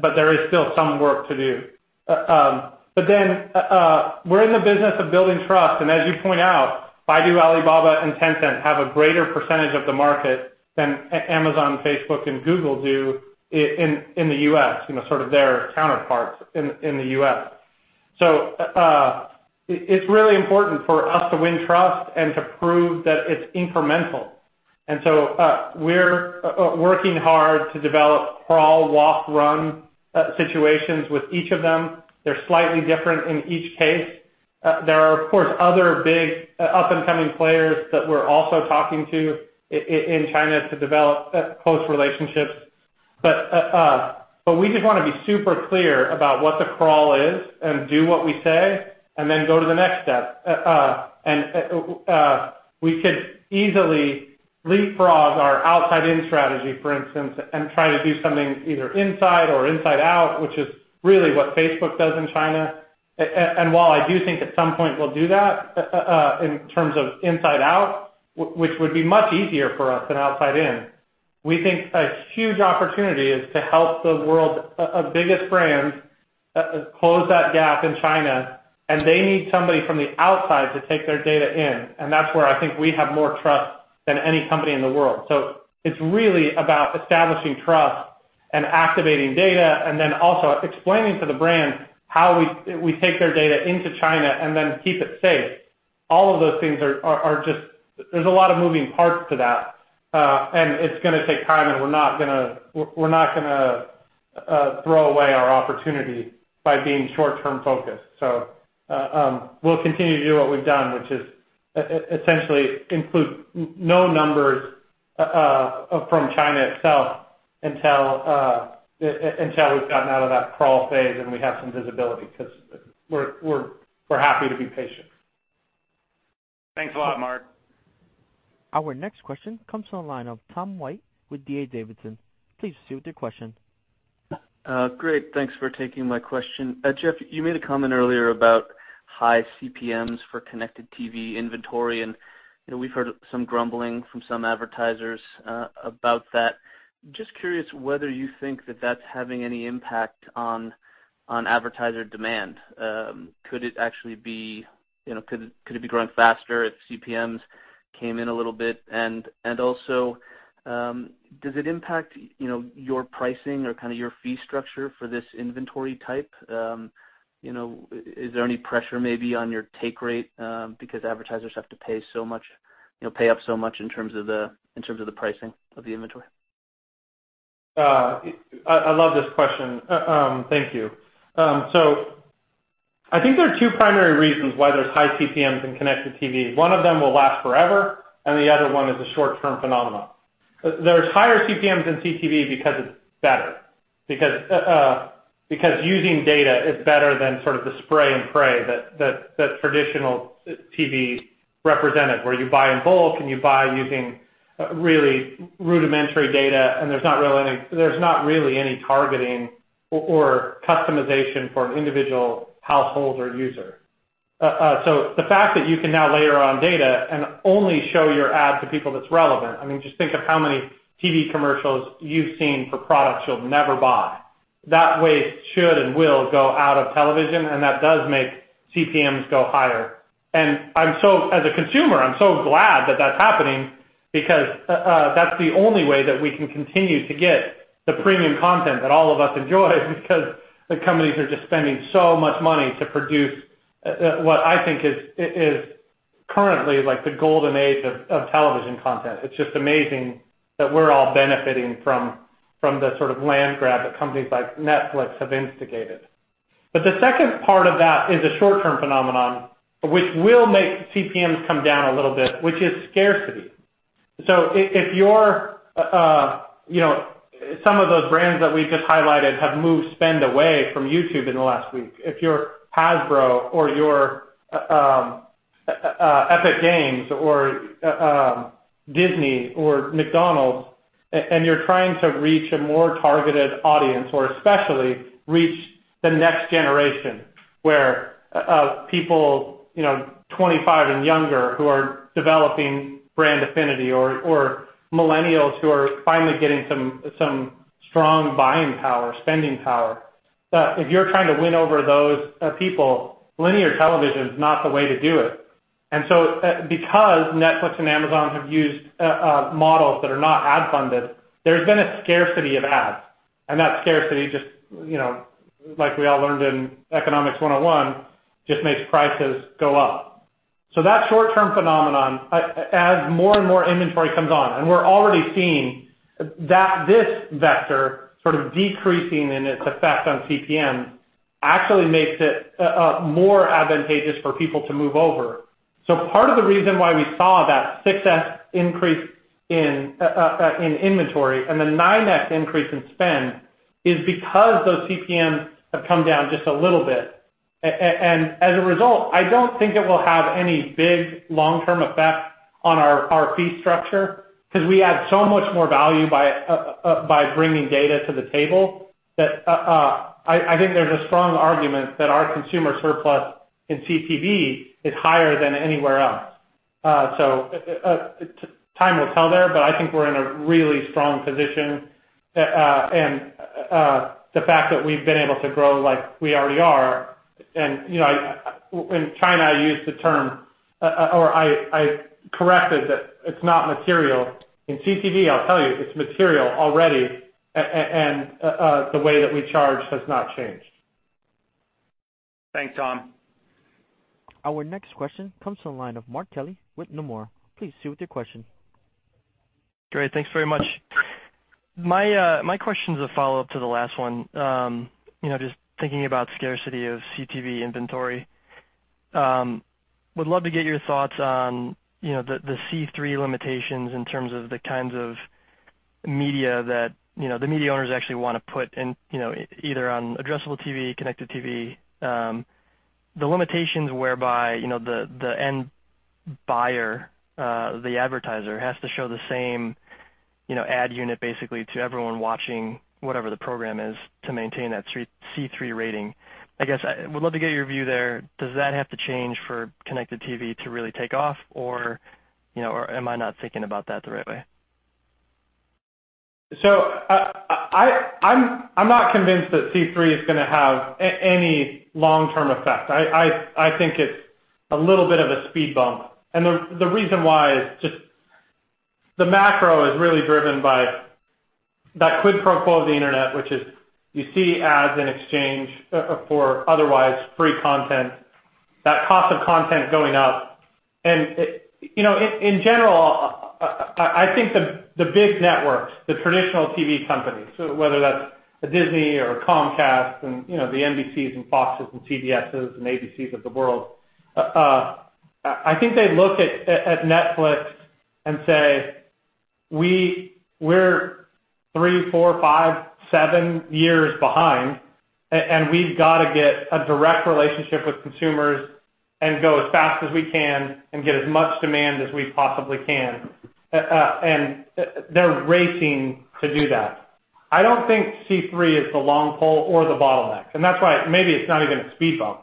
but there is still some work to do. We're in the business of building trust. As you point out, Baidu, Alibaba, and Tencent have a greater percentage of the market than Amazon, Facebook, and Google do in the U.S., sort of their counterparts in the U.S. It's really important for us to win trust and to prove that it's incremental. We're working hard to develop crawl, walk, run situations with each of them. They're slightly different in each case. There are, of course, other big up-and-coming players that we're also talking to in China to develop close relationships. We just want to be super clear about what the crawl is and do what we say, then go to the next step. We could easily leapfrog our outside-in strategy, for instance, and try to do something either inside or inside-out, which is really what Facebook does in China. While I do think at some point we'll do that, in terms of inside-out, which would be much easier for us than outside-in, we think a huge opportunity is to help the world's biggest brands, close that gap in China, and they need somebody from the outside to take their data in, and that's where I think we have more trust than any company in the world. It's really about establishing trust and activating data, and then also explaining to the brand how we take their data into China and then keep it safe. All of those things, there's a lot of moving parts to that. It's going to take time and we're not going to throw away our opportunity by being short-term focused. We'll continue to do what we've done, which is essentially include no numbers from China itself until we've gotten out of that crawl phase and we have some visibility, because we're happy to be patient. Thanks a lot, Mark. Our next question comes from the line of Tom White with D.A. Davidson. Please proceed with your question. Great. Thanks for taking my question. Jeff, you made a comment earlier about high CPMs for Connected TV inventory. We've heard some grumbling from some advertisers about that. Just curious whether you think that that's having any impact on advertiser demand. Could it be growing faster if CPMs came in a little bit? Also, does it impact your pricing or your fee structure for this inventory type? Is there any pressure maybe on your take rate because advertisers have to pay up so much in terms of the pricing of the inventory? I love this question. Thank you. I think there are two primary reasons why there's high CPMs in Connected TV. One of them will last forever. The other one is a short-term phenomenon. There's higher CPMs in CTV because it's better. Because using data is better than the sort of the spray and pray that traditional TV represented, where you buy in bulk and you buy using really rudimentary data, and there's not really any targeting or customization for an individual household or user. The fact that you can now layer on data and only show your ad to people that's relevant, I mean, just think of how many TV commercials you've seen for products you'll never buy. That waste should and will go out of television, and that does make CPMs go higher. As a consumer, I'm so glad that that's happening because that's the only way that we can continue to get the premium content that all of us enjoy because the companies are just spending so much money to produce what I think is currently like the golden age of television content. It's just amazing that we're all benefiting from the sort of land grab that companies like Netflix have instigated. The second part of that is a short-term phenomenon, which will make CPMs come down a little bit, which is scarcity. If some of those brands that we just highlighted have moved spend away from YouTube in the last week, if you're Hasbro or you're Epic Games or Disney or McDonald's and you're trying to reach a more targeted audience or especially reach the next generation, where people 25 and younger who are developing brand affinity or millennials who are finally getting some strong buying power, spending power. If you're trying to win over those people, linear television is not the way to do it. Because Netflix and Amazon have used models that are not ad-funded, there's been a scarcity of ads. That scarcity, like we all learned in Economics 101, just makes prices go up. That short-term phenomenon, as more and more inventory comes on, and we're already seeing this vector sort of decreasing in its effect on CPMs actually makes it more advantageous for people to move over. Part of the reason why we saw that 6x increase in inventory and the 9x increase in spend is because those CPMs have come down just a little bit. As a result, I don't think it will have any big long-term effect on our fee structure because we add so much more value by bringing data to the table that I think there's a strong argument that our consumer surplus in CTV is higher than anywhere else. Time will tell there, but I think we're in a really strong position. The fact that we've been able to grow like we already are. In China, I used the term, or I corrected that it's not material. In CTV, I'll tell you, it's material already, and the way that we charge has not changed. Thanks, Tom. Our next question comes from the line of Mark Kelley with Nomura. Please proceed with your question. Great. Thanks very much. My question's a follow-up to the last one. Thinking about scarcity of CTV inventory. Would love to get your thoughts on the C3 limitations in terms of the kinds of media that the media owners actually want to put either on addressable TV, Connected TV. The limitations whereby the end buyer, the advertiser, has to show the same ad unit, basically, to everyone watching whatever the program is to maintain that C3 rating. I guess, I would love to get your view there. Does that have to change for Connected TV to really take off, or am I not thinking about that the right way? I'm not convinced that C3 is going to have any long-term effect. I think it's a little bit of a speed bump. The reason why is just the macro is really driven by that quid pro quo of the Internet, which is you see ads in exchange for otherwise free content. That cost of content is going up. In general, I think the big networks, the traditional TV companies, so whether that's a Disney or a Comcast and the NBCs and Foxes and CBSs and ABCs of the world, I think they look at Netflix and say, "We're three, four, five, seven years behind, and we've got to get a direct relationship with consumers and go as fast as we can and get as much demand as we possibly can." They're racing to do that. I don't think C3 is the long pull or the bottleneck, that's why maybe it's not even a speed bump,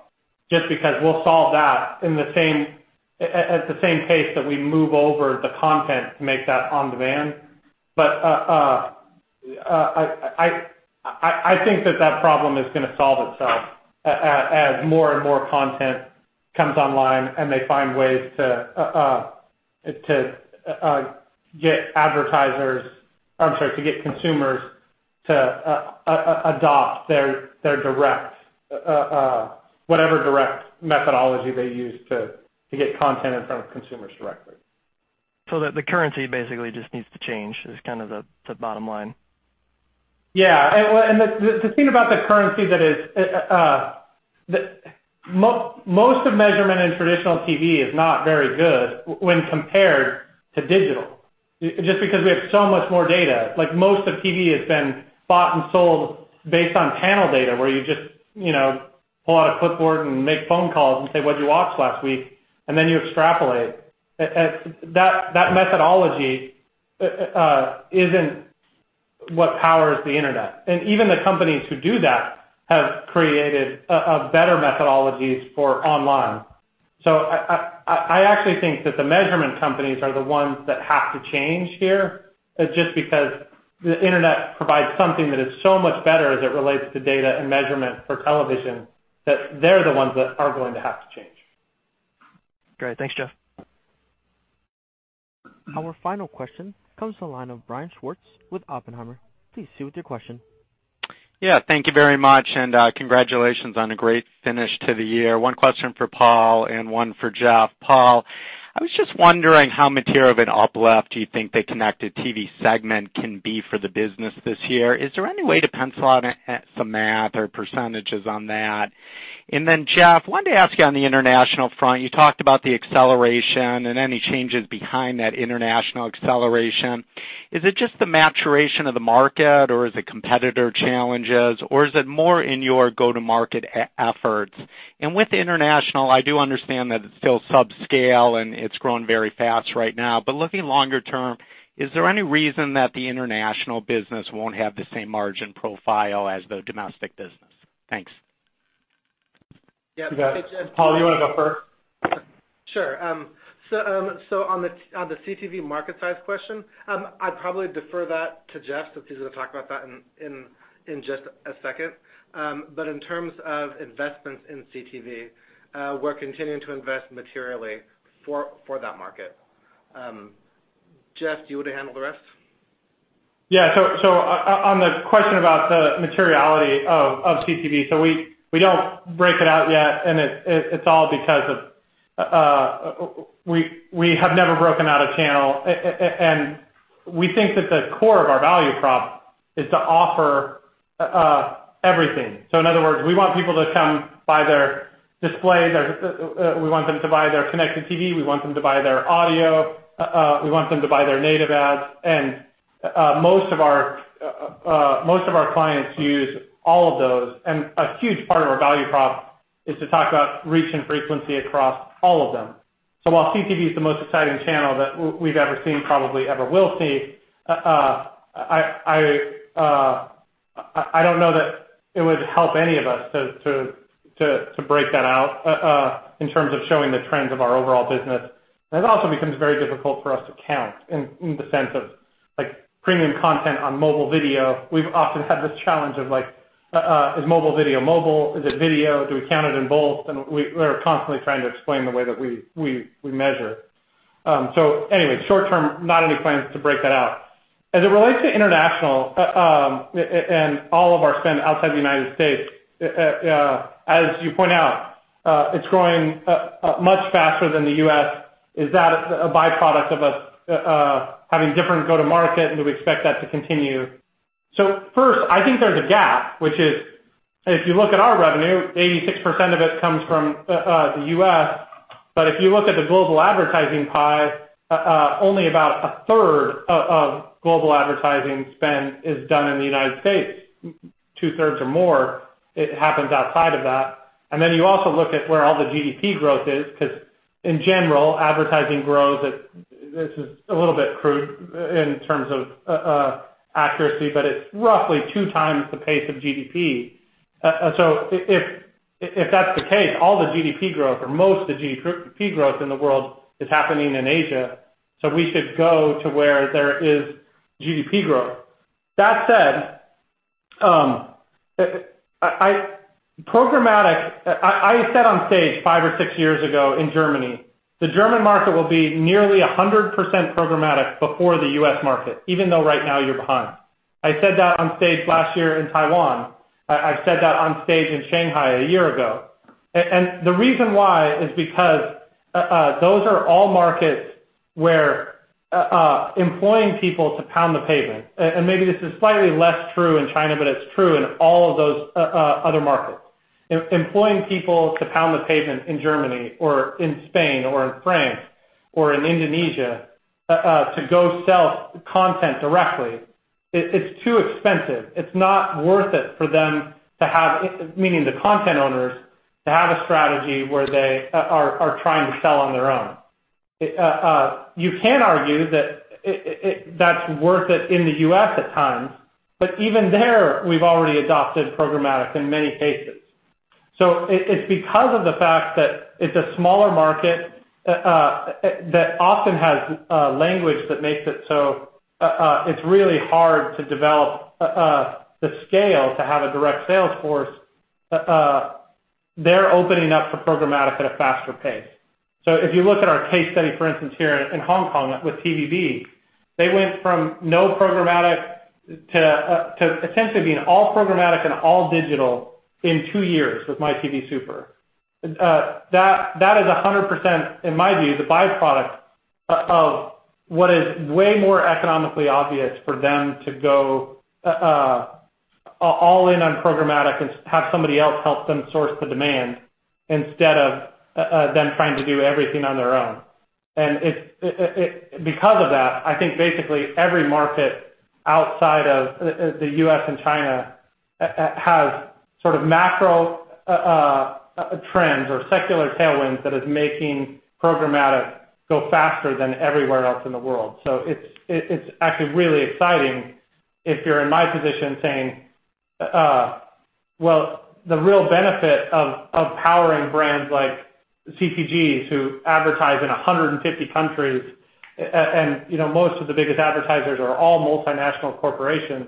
just because we'll solve that at the same pace that we move over the content to make that on-demand. I think that that problem is going to solve itself as more and more content comes online and they find ways to get consumers to adopt whatever direct methodology they use to get content in front of consumers directly. The currency basically just needs to change, is kind of the bottom line. The thing about the currency that is most of measurement in traditional TV is not very good when compared to digital, just because we have so much more data. Most of TV has been bought and sold based on panel data, where you just pull out a clipboard and make phone calls and say, "What'd you watch last week?" Then you extrapolate. That methodology isn't what powers the Internet. Even the companies who do that have created better methodologies for online. I actually think that the measurement companies are the ones that have to change here, just because the Internet provides something that is so much better as it relates to data and measurement for television, that they're the ones that are going to have to change. Great. Thanks, Jeff. Our final question comes from the line of Brian Schwartz with Oppenheimer. Please proceed with your question. Thank you very much, and congratulations on a great finish to the year. One question for Paul and one for Jeff. Paul, I was just wondering how material of an uplift do you think the Connected TV segment can be for the business this year? Is there any way to pencil out some math or percentages on that? Jeff, wanted to ask you on the international front, you talked about the acceleration and any changes behind that international acceleration. Is it just the maturation of the market, or is it competitor challenges, or is it more in your go-to-market efforts? With international, I do understand that it's still sub-scale, and it's growing very fast right now, but looking longer term, is there any reason that the international business won't have the same margin profile as the domestic business? Thanks. Paul, you want to go first? Sure. On the CTV market size question, I'd probably defer that to Jeff since he's going to talk about that in just a second. In terms of investments in CTV, we're continuing to invest materially for that market. Jeff, do you want to handle the rest? On the question about the materiality of CTV, we don't break it out yet, and it's all because of we have never broken out a channel. We think that the core of our value prop is to offer everything. In other words, we want people to come buy their displays. We want them to buy their Connected TV. We want them to buy their audio. We want them to buy their native ads. Most of our clients use all of those. A huge part of our value prop is to talk about reach and frequency across all of them. While CTV is the most exciting channel that we've ever seen, probably ever will see, I don't know that it would help any of us to break that out in terms of showing the trends of our overall business. It also becomes very difficult for us to count in the sense of Like premium content on mobile video, we've often had this challenge of, is mobile video mobile? Is it video? Do we count it in both? We are constantly trying to explain the way that we measure. Anyway, short term, not any plans to break that out. As it relates to international, and all of our spend outside the U.S., as you point out, it's growing much faster than the U.S. Is that a byproduct of us having different go-to market, and do we expect that to continue? First, I think there's a gap, which is, if you look at our revenue, 86% of it comes from the U.S. If you look at the global advertising pie, only about a third of global advertising spend is done in the U.S., two-thirds or more, it happens outside of that. You also look at where all the GDP growth is, because in general, advertising growth at, this is a little bit crude in terms of accuracy, but it's roughly 2x the pace of GDP. If that's the case, all the GDP growth or most of the GDP growth in the world is happening in Asia, we should go to where there is GDP growth. That said, programmatic, I said on stage five or six years ago in Germany, the German market will be nearly 100% programmatic before the U.S. market, even though right now you're behind. I said that on stage last year in Taiwan. I said that on stage in Shanghai a year ago. The reason why is because, those are all markets where employing people to pound the pavement, and maybe this is slightly less true in China, but it's true in all of those other markets. Employing people to pound the pavement in Germany or in Spain or in France or in Indonesia, to go sell content directly, it's too expensive. It's not worth it for them, meaning the content owners, to have a strategy where they are trying to sell on their own. You can argue that that's worth it in the U.S. at times, but even there, we've already adopted programmatic in many cases. It's because of the fact that it's a smaller market that often has a language that makes it so it's really hard to develop the scale to have a direct sales force. They're opening up for programmatic at a faster pace. If you look at our case study, for instance, here in Hong Kong with TVB, they went from no programmatic to essentially being all programmatic and all digital in two years with myTV SUPER. That is 100%, in my view, the byproduct of what is way more economically obvious for them to go all in on programmatic and have somebody else help them source the demand instead of them trying to do everything on their own. Because of that, I think basically every market outside of the U.S. and China has sort of macro trends or secular tailwinds that is making programmatic go faster than everywhere else in the world. It's actually really exciting if you're in my position saying, well, the real benefit of powering brands like CPGs who advertise in 150 countries, most of the biggest advertisers are all multinational corporations.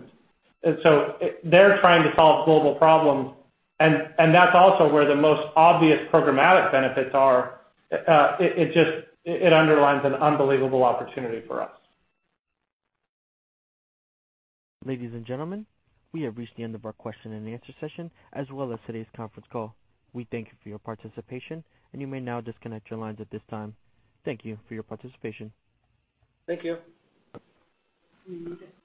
They're trying to solve global problems, and that's also where the most obvious programmatic benefits are. It underlines an unbelievable opportunity for us. Ladies and gentlemen, we have reached the end of our question and answer session, as well as today's conference call. We thank you for your participation, and you may now disconnect your lines at this time. Thank you for your participation. Thank you. Thank you.